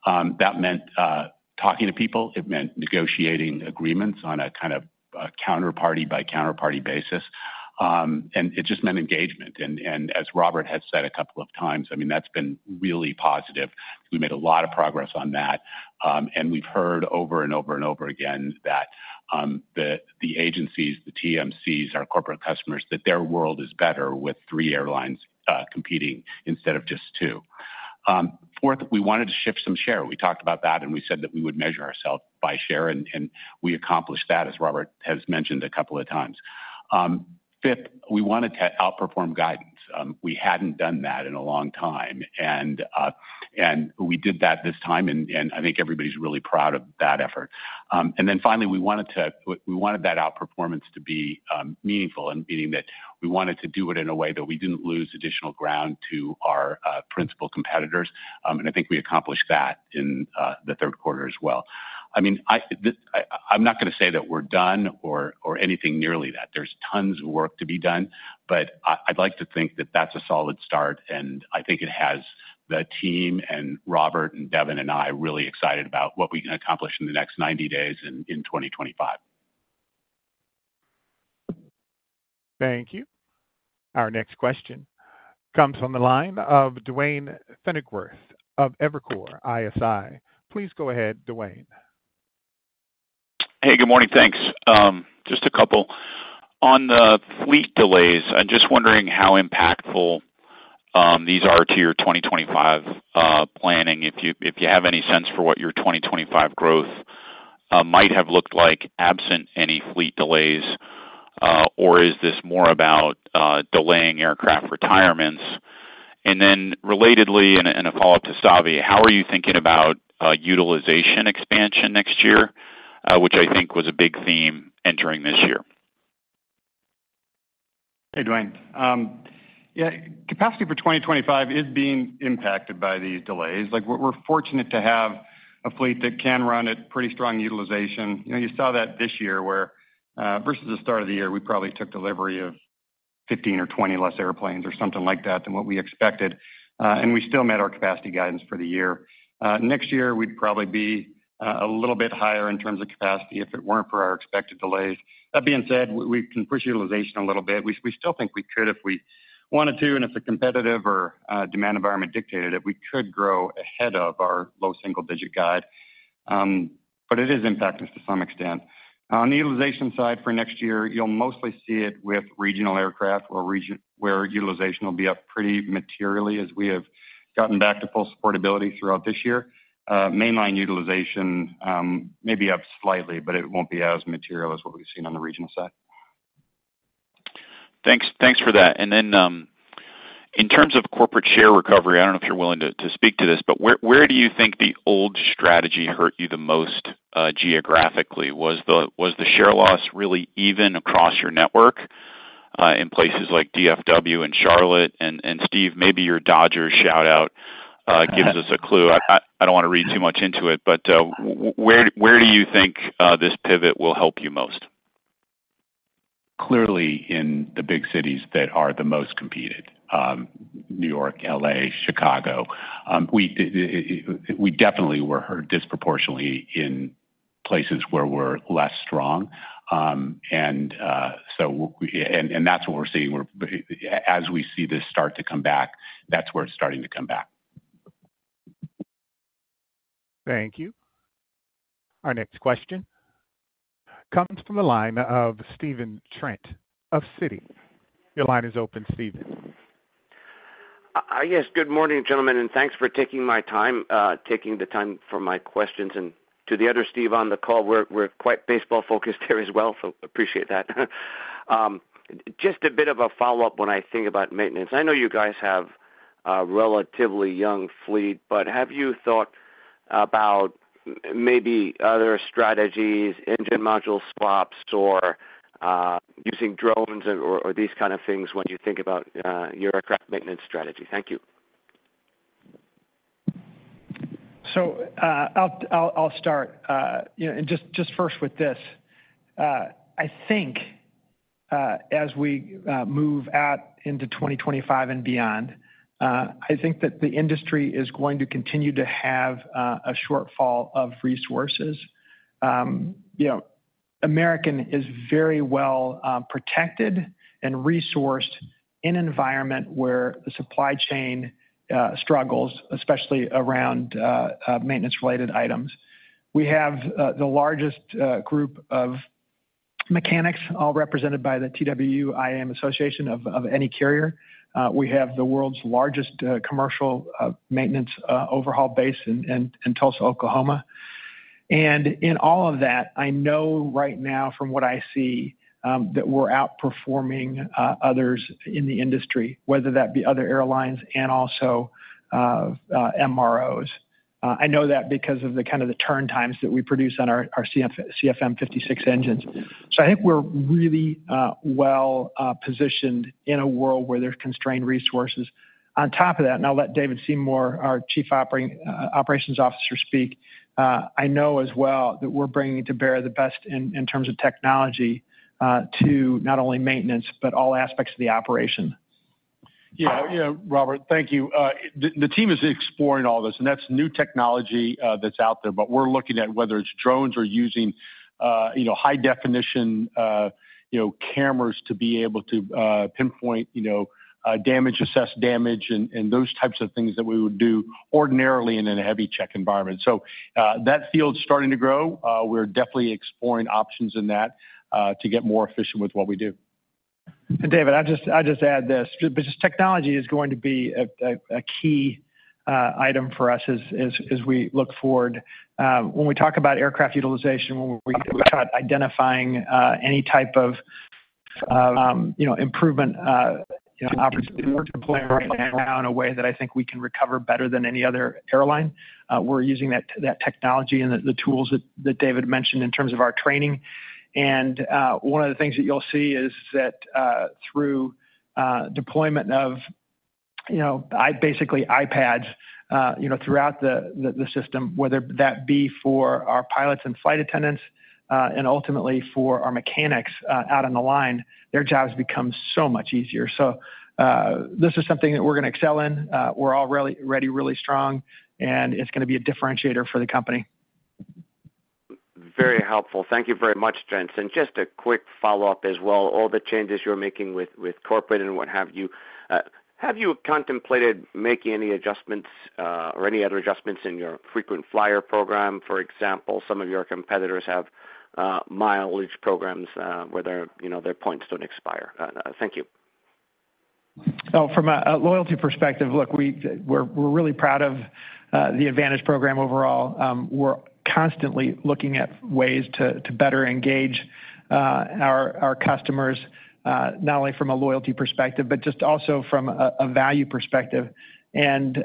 That meant talking to people. It meant negotiating agreements on a kind of counterparty by counterparty basis. And it just meant engagement. And as Robert has said a couple of times, I mean, that's been really positive. We made a lot of progress on that, and we've heard over-and-over-and-over again that the agencies, the TMCs, our corporate customers, that their world is better with three airlines competing instead of just two. Fourth, we wanted to shift some share. We talked about that, and we said that we would measure ourselves by share, and we accomplished that, as Robert has mentioned a couple of times. Fifth, we wanted to outperform guidance. We hadn't done that in a long time, and we did that this time, and I think everybody's really proud of that effort. And then finally, we wanted that outperformance to be meaningful, and meaning that we wanted to do it in a way that we didn't lose additional ground to our principal competitors, and I think we accomplished that in the third quarter as well. I mean, I'm not gonna say that we're done or anything nearly that. There's tons of work to be done, but I'd like to think that that's a solid start, and I think it has the team and Robert and Devon and I really excited about what we can accomplish in the next 90 days in 2025. Thank you. Our next question comes from the line of Duane Pfennigwerth of Evercore ISI. Please go ahead, Duane. Hey, good morning. Thanks. Just a couple. On the fleet delays, I'm just wondering how impactful these are to your 2025 planning, if you have any sense for what your 2025 growth might have looked like, absent any fleet delays, or is this more about delaying aircraft retirements? And then relatedly, in a follow-up to Savi, how are you thinking about utilization expansion next year, which I think was a big theme entering this year? Hey, Duane. Yeah, capacity for 2025 is being impacted by these delays. Like, we're fortunate to have a fleet that can run at pretty strong utilization. You know, you saw that this year, where versus the start of the year, we probably took delivery of 15 or 20 less airplanes or something like that than what we expected, and we still met our capacity guidance for the year. Next year, we'd probably be a little bit higher in terms of capacity if it weren't for our expected delays. That being said, we can push utilization a little bit. We still think we could if we wanted to, and if the competitive or demand environment dictated it, we could grow ahead of our low single-digit guide, but it is impacting us to some extent. On the utilization side for next year, you'll mostly see it with regional aircraft where utilization will be up pretty materially as we have gotten back to full supportability throughout this year. Mainline utilization may be up slightly, but it won't be as material as what we've seen on the regional side. Thanks, thanks for that. And then in terms of corporate share recovery, I don't know if you're willing to speak to this, but where do you think the old strategy hurt you the most, geographically? Was the share loss really even across your network in places like DFW and Charlotte? And Steve, maybe your Dodgers shout-out gives us a clue. I don't want to read too much into it, but where do you think this pivot will help you most? Clearly in the big cities that are the most competitive, New York, LA, Chicago. We definitely were hurt disproportionately in places where we're less strong, and that's what we're seeing. As we see this start to come back, that's where it's starting to come back. Thank you. Our next question comes from the line of Stephen Trent of Citi. Your line is open, Stephen. Yes, good morning, gentlemen, and thanks for taking the time for my questions. And to the other Steve on the call, we're quite baseball-focused here as well, so appreciate that. Just a bit of a follow-up when I think about maintenance. I know you guys have a relatively young fleet, but have you thought about maybe other strategies, engine module swaps or using drones or these kind of things when you think about your aircraft maintenance strategy? Thank you. So, I'll start, you know, and just first with this. I think, as we move out into 2025 and beyond, I think that the industry is going to continue to have a shortfall of resources. You know, American is very well protected and resourced in an environment where the supply chain struggles, especially around maintenance-related items. We have the largest group of mechanics, all represented by the TWU-IAM Association of any carrier. We have the world's largest commercial maintenance overhaul base in Tulsa, Oklahoma. And in all of that, I know right now from what I see that we're outperforming others in the industry, whether that be other airlines and also MROs. I know that because of the kind of turn times that we produce on our CFM56 engines, so I think we're really well positioned in a world where there's constrained resources. On top of that, and I'll let David Seymour, our Chief Operating Officer, speak, I know as well that we're bringing to bear the best in terms of technology to not only maintenance, but all aspects of the operation. Yeah, you know, Robert, thank you. The team is exploring all this, and that's new technology that's out there. But we're looking at whether it's drones or using you know, high-definition you know, cameras to be able to pinpoint you know, damage, assess damage and those types of things that we would do ordinarily in a heavy check environment. So, that field's starting to grow. We're definitely exploring options in that to get more efficient with what we do. ...and David, I'll just add this. Just technology is going to be a key item for us as we look forward. When we talk about aircraft utilization, when we talk identifying, any type of, you know, improvement, you know, opportunity to play around in a way that I think we can recover better than any other airline, we're using that technology and the tools that David mentioned in terms of our training. And, one of the things that you'll see is that, through deployment of, you know, basically iPads, you know, throughout the system, whether that be for our pilots and flight attendants, and ultimately for our mechanics, out on the line, their jobs become so much easier. This is something that we're gonna excel in. We're already really strong, and it's gonna be a differentiator for the company. Very helpful. Thank you very much, gents. And just a quick follow-up as well. All the changes you're making with, with corporate and what have you, have you contemplated making any adjustments, or any other adjustments in your frequent flyer program? For example, some of your competitors have mileage programs, where their, you know, their points don't expire. Thank you. Oh, from a loyalty perspective, look, we-- we're really proud of the AAdvantage program overall. We're constantly looking at ways to better engage our customers, not only from a loyalty perspective, but just also from a value perspective. And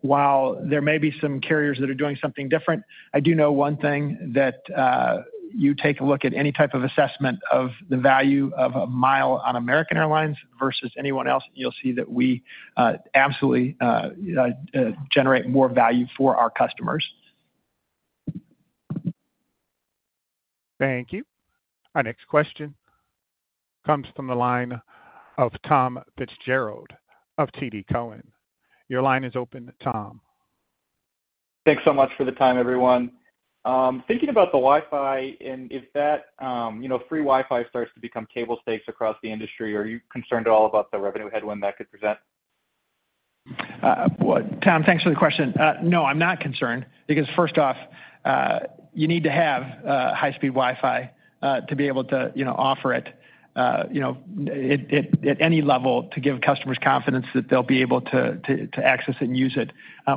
while there may be some carriers that are doing something different, I do know one thing that you take a look at any type of assessment of the value of a mile on American Airlines versus anyone else, you'll see that we absolutely generate more value for our customers. Thank you. Our next question comes from the line of Tom Fitzgerald of TD Cowen. Your line is open, Tom. Thanks so much for the time, everyone. Thinking about the Wi-Fi, and if that, you know, free Wi-Fi starts to become table stakes across the industry, are you concerned at all about the revenue headwind that could present? Well, Tom, thanks for the question. No, I'm not concerned, because first off, you need to have high-speed Wi-Fi to be able to, you know, offer it, you know, at any level to give customers confidence that they'll be able to access it and use it.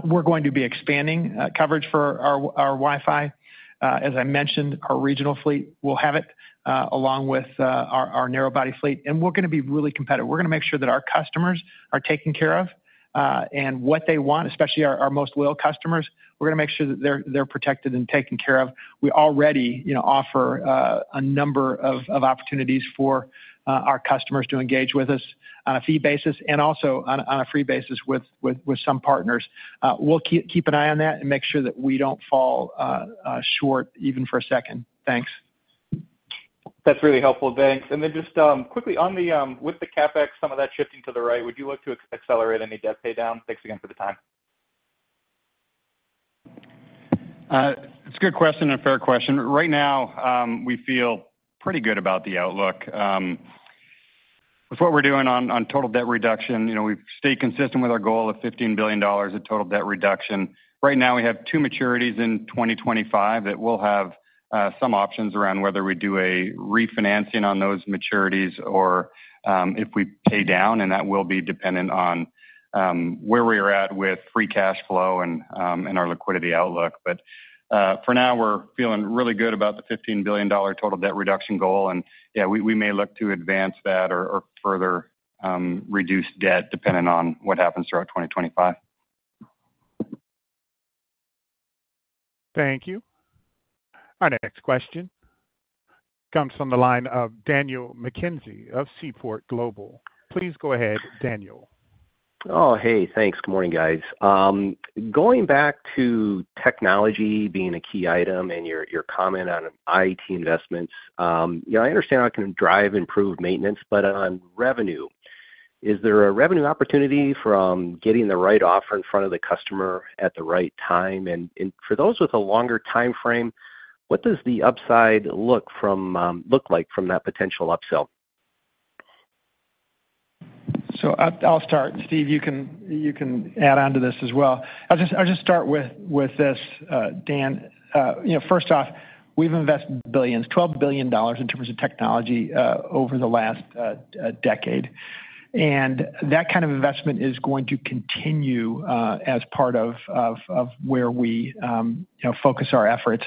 We're going to be expanding coverage for our Wi-Fi. As I mentioned, our regional fleet will have it, along with our narrow-body fleet, and we're gonna be really competitive. We're gonna make sure that our customers are taken care of, and what they want, especially our most loyal customers, we're gonna make sure that they're protected and taken care of. We already, you know, offer a number of opportunities for our customers to engage with us on a fee basis and also on a free basis with some partners. We'll keep an eye on that and make sure that we don't fall short even for a second. Thanks. That's really helpful. Thanks. And then just, quickly, on the, with the CapEx, some of that shifting to the right, would you look to accelerate any debt pay down? Thanks again for the time. It's a good question and a fair question. Right now, we feel pretty good about the outlook. With what we're doing on total debt reduction, you know, we've stayed consistent with our goal of $15 billion in total debt reduction. Right now, we have two maturities in 2025 that we'll have some options around whether we do a refinancing on those maturities or if we pay down, and that will be dependent on where we are at with free cash flow and our liquidity outlook. But for now, we're feeling really good about the $15 billion total debt reduction goal, and we may look to advance that or further reduce debt depending on what happens throughout 2025. Thank you. Our next question comes from the line of Daniel McKenzie of Seaport Global. Please go ahead, Daniel. Oh, hey, thanks. Good morning, guys. Going back to technology being a key item and your comment on IT investments, you know, I understand how it can drive improved maintenance, but on revenue, is there a revenue opportunity from getting the right offer in front of the customer at the right time? And for those with a longer timeframe, what does the upside look like from that potential upsell? I'll start. Steve, you can add on to this as well. I'll just start with this, Dan. You know, first off, we've invested $12 billion in terms of technology over the last decade. And that kind of investment is going to continue as part of where we, you know, focus our efforts.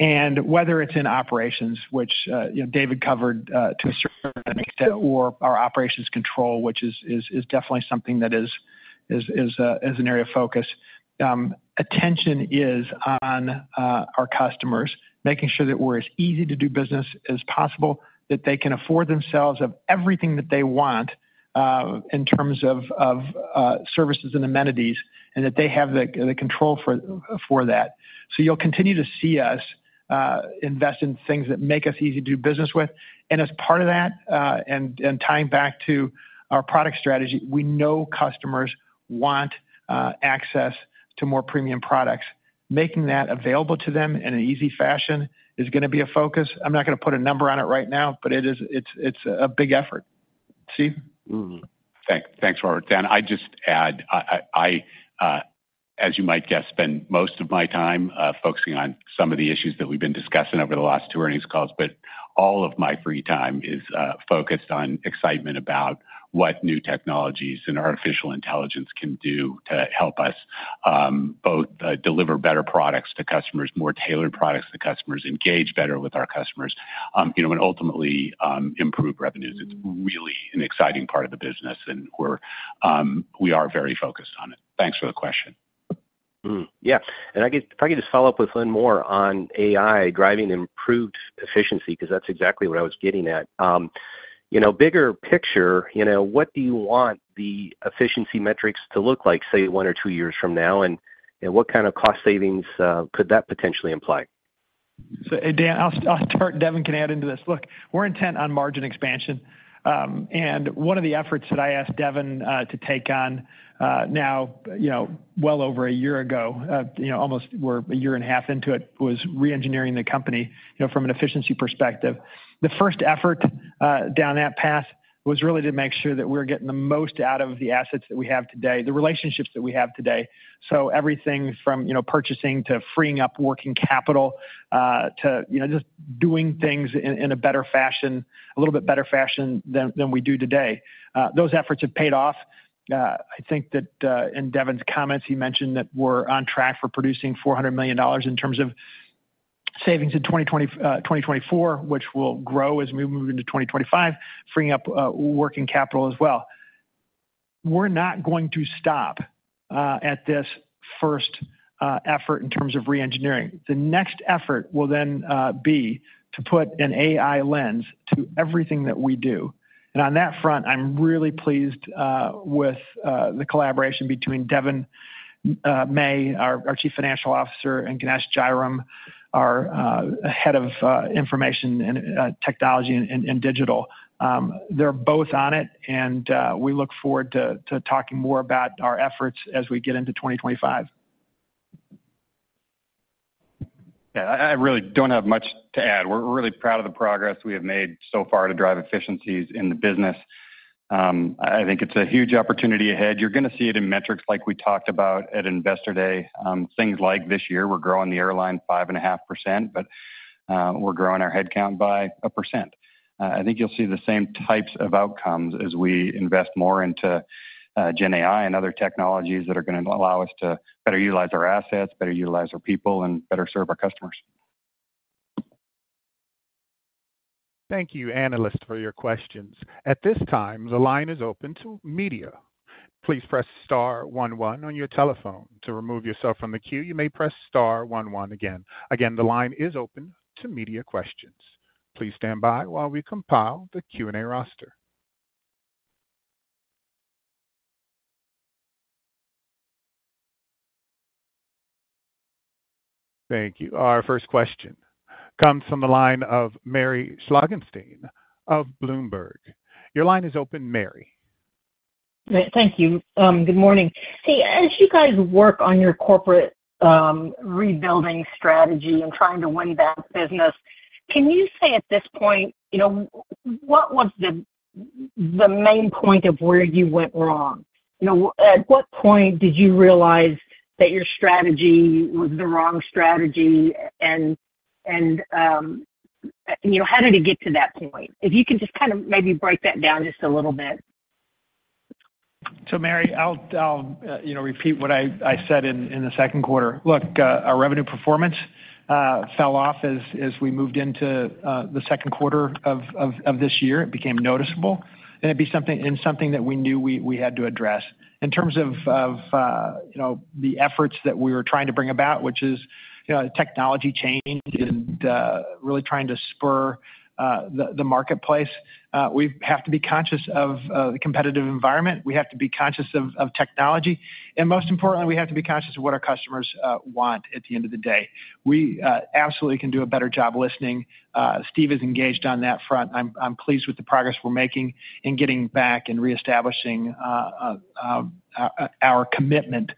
And whether it's in operations, which, you know, David covered to a certain extent, or our operations control, which is definitely something that is an area of focus. Attention is on our customers, making sure that we're as easy to do business as possible, that they can afford themselves of everything that they want in terms of services and amenities, and that they have the control for that. So you'll continue to see us invest in things that make us easy to do business with. And as part of that, tying back to our product strategy, we know customers want access to more premium products. Making that available to them in an easy fashion is gonna be a focus. I'm not gonna put a number on it right now, but it is. It's a big effort.... Steve? Thanks, Robert. Dan, I'd just add. I as you might guess spend most of my time focusing on some of the issues that we've been discussing over the last two earnings calls, but all of my free time is focused on excitement about what new technologies and artificial intelligence can do to help us both deliver better products to customers, more tailored products to customers, engage better with our customers, you know, and ultimately improve revenues. It's really an exciting part of the business, and we are very focused on it. Thanks for the question. Mm-hmm. Yeah, and I guess if I could just follow up with Lynn Moore on AI driving improved efficiency, 'cause that's exactly what I was getting at. You know, bigger picture, you know, what do you want the efficiency metrics to look like, say, one or two years from now? And what kind of cost savings could that potentially imply? So, Dan, I'll start, Devon can add into this. Look, we're intent on margin expansion, and one of the efforts that I asked Devon to take on, now, you know, well over a year ago, you know, almost we're a year and a half into it, was reengineering the company, you know, from an efficiency perspective. The first effort down that path was really to make sure that we're getting the most out of the assets that we have today, the relationships that we have today. So everything from, you know, purchasing to freeing up working capital, to, you know, just doing things in a better fashion, a little bit better fashion than we do today. Those efforts have paid off. I think that in Devon's comments, he mentioned that we're on track for producing $400 million in terms of savings in 2024, which will grow as we move into 2025, freeing up working capital as well. We're not going to stop at this first effort in terms of reengineering. The next effort will then be to put an AI lens to everything that we do. On that front, I'm really pleased with the collaboration between Devon May, our Chief Financial Officer, and Ganesh Jayaram, our head of information and technology and digital. They're both on it, and we look forward to talking more about our efforts as we get into 2025. Yeah, I really don't have much to add. We're really proud of the progress we have made so far to drive efficiencies in the business. I think it's a huge opportunity ahead. You're gonna see it in metrics like we talked about at Investor Day. Things like this year, we're growing the airline 5.5%, but we're growing our head count by 1%. I think you'll see the same types of outcomes as we invest more into Gen AI and other technologies that are gonna allow us to better utilize our assets, better utilize our people, and better serve our customers. Thank you, analysts, for your questions. At this time, the line is open to media. Please press star one one on your telephone. To remove yourself from the queue, you may press star one one again. Again, the line is open to media questions. Please stand by while we compile the Q&A roster. Thank you. Our first question comes from the line of Mary Schlangenstein of Bloomberg. Your line is open, Mary. Thank you. Good morning. See, as you guys work on your corporate rebuilding strategy and trying to win back business, can you say at this point, you know, what was the main point of where you went wrong? You know, at what point did you realize that your strategy was the wrong strategy, and you know, how did it get to that point? If you can just kind of maybe break that down just a little bit. So, Mary, I'll you know, repeat what I said in the second quarter. Look, our revenue performance fell off as we moved into the second quarter of this year. It became noticeable, and something that we knew we had to address. In terms of the efforts that we were trying to bring about, which is you know, technology change and really trying to spur the marketplace, we have to be conscious of the competitive environment. We have to be conscious of technology, and most importantly, we have to be conscious of what our customers want at the end of the day. We absolutely can do a better job listening. Steve is engaged on that front. I'm pleased with the progress we're making in getting back and reestablishing our commitment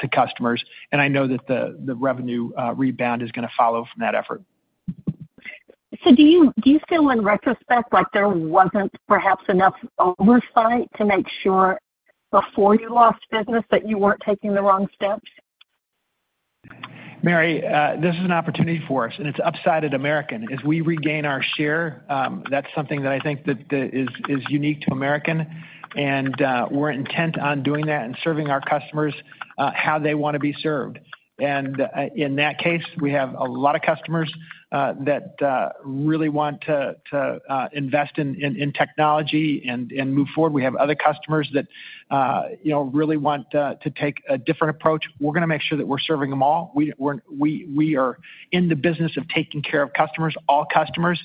to customers, and I know that the revenue rebound is gonna follow from that effort. So do you feel in retrospect like there wasn't perhaps enough oversight to make sure before you lost business that you weren't taking the wrong steps? Mary, this is an opportunity for us, and it's upside to American. As we regain our share, that's something that I think that is unique to American, and we're intent on doing that and serving our customers how they wanna be served. And in that case, we have a lot of customers that really want to invest in technology and move forward. We have other customers that you know really want to take a different approach. We're gonna make sure that we're serving them all. We are in the business of taking care of customers, all customers,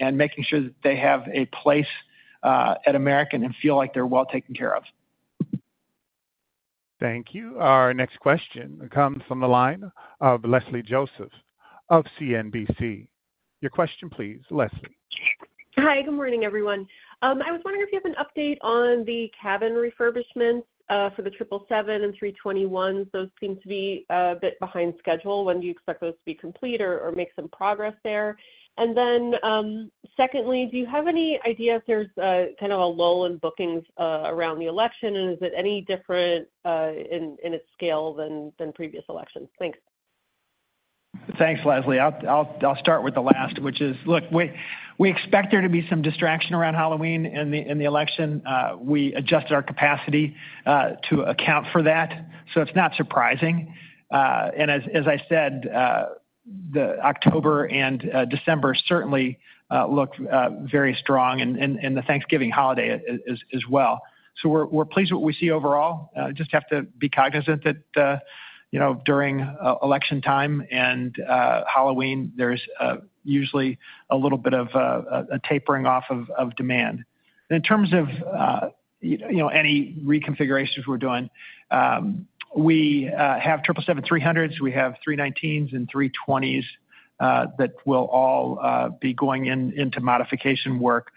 and making sure that they have a place at American and feel like they're well taken care of. Thank you. Our next question comes from the line of Leslie Josephs of CNBC. Your question, please, Leslie? Hi, good morning, everyone. I was wondering if you have an update on the cabin refurbishment for the 777 and 321. Those seem to be a bit behind schedule. When do you expect those to be complete or make some progress there? And then, secondly, do you have any idea if there's kind of a lull in bookings around the election, and is it any different in its scale than previous elections? Thanks. Thanks, Leslie. I'll start with the last, which is, look, we expect there to be some distraction around Halloween and the election. We adjusted our capacity to account for that, so it's not surprising. And as I said, the October and December certainly look very strong and the Thanksgiving holiday as well. So we're pleased with what we see overall. Just have to be cognizant that you know, during election time and Halloween, there's usually a little bit of a tapering off of demand. In terms of you know, any reconfigurations we're doing, we have 777-300s, we have 319s and 320s that will all be going into modification work.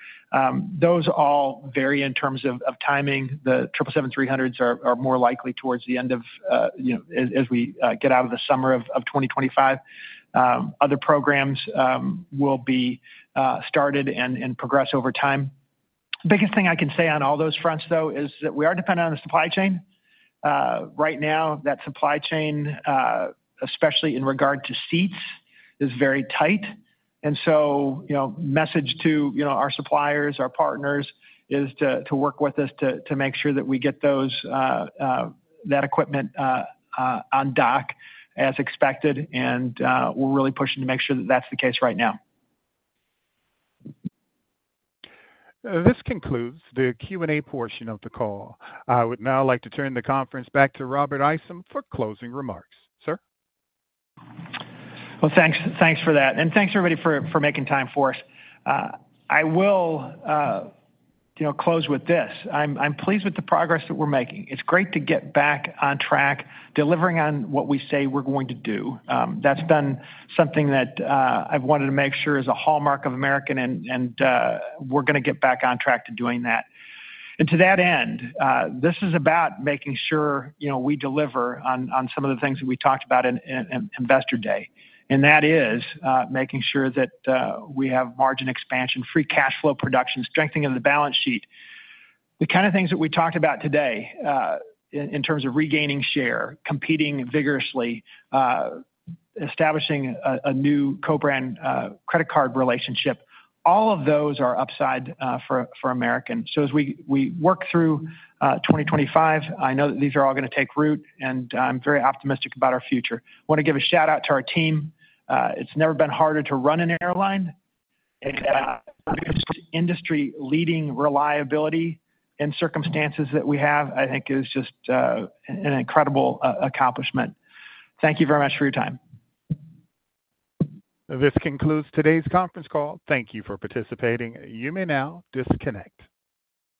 Those all vary in terms of of timing. The 777-300s are more likely towards the end of, you know, as we get out of the summer of 2025. Other programs will be started and progress over time. The biggest thing I can say on all those fronts, though, is that we are dependent on the supply chain. Right now, that supply chain, especially in regard to seats, is very tight. And so, you know, message to, you know, our suppliers, our partners, is to work with us to make sure that we get those that equipment on dock as expected, and we're really pushing to make sure that that's the case right now. This concludes the Q&A portion of the call. I would now like to turn the conference back to Robert Isom for closing remarks. Sir? Thanks. Thanks for that, and thanks, everybody, for making time for us. I will, you know, close with this. I'm pleased with the progress that we're making. It's great to get back on track, delivering on what we say we're going to do. That's been something that I've wanted to make sure is a hallmark of American, and we're gonna get back on track to doing that. To that end, this is about making sure, you know, we deliver on some of the things that we talked about in Investor Day. That is making sure that we have margin expansion, free cash flow production, strengthening of the balance sheet. The kind of things that we talked about today, in terms of regaining share, competing vigorously, establishing a new co-branded credit card relationship, all of those are upside for American. So as we work through 2025, I know that these are all gonna take root, and I'm very optimistic about our future. I wanna give a shout-out to our team. It's never been harder to run an airline, and industry-leading reliability in circumstances that we have, I think is just an incredible accomplishment. Thank you very much for your time. This concludes today's conference call. Thank you for participating. You may now disconnect.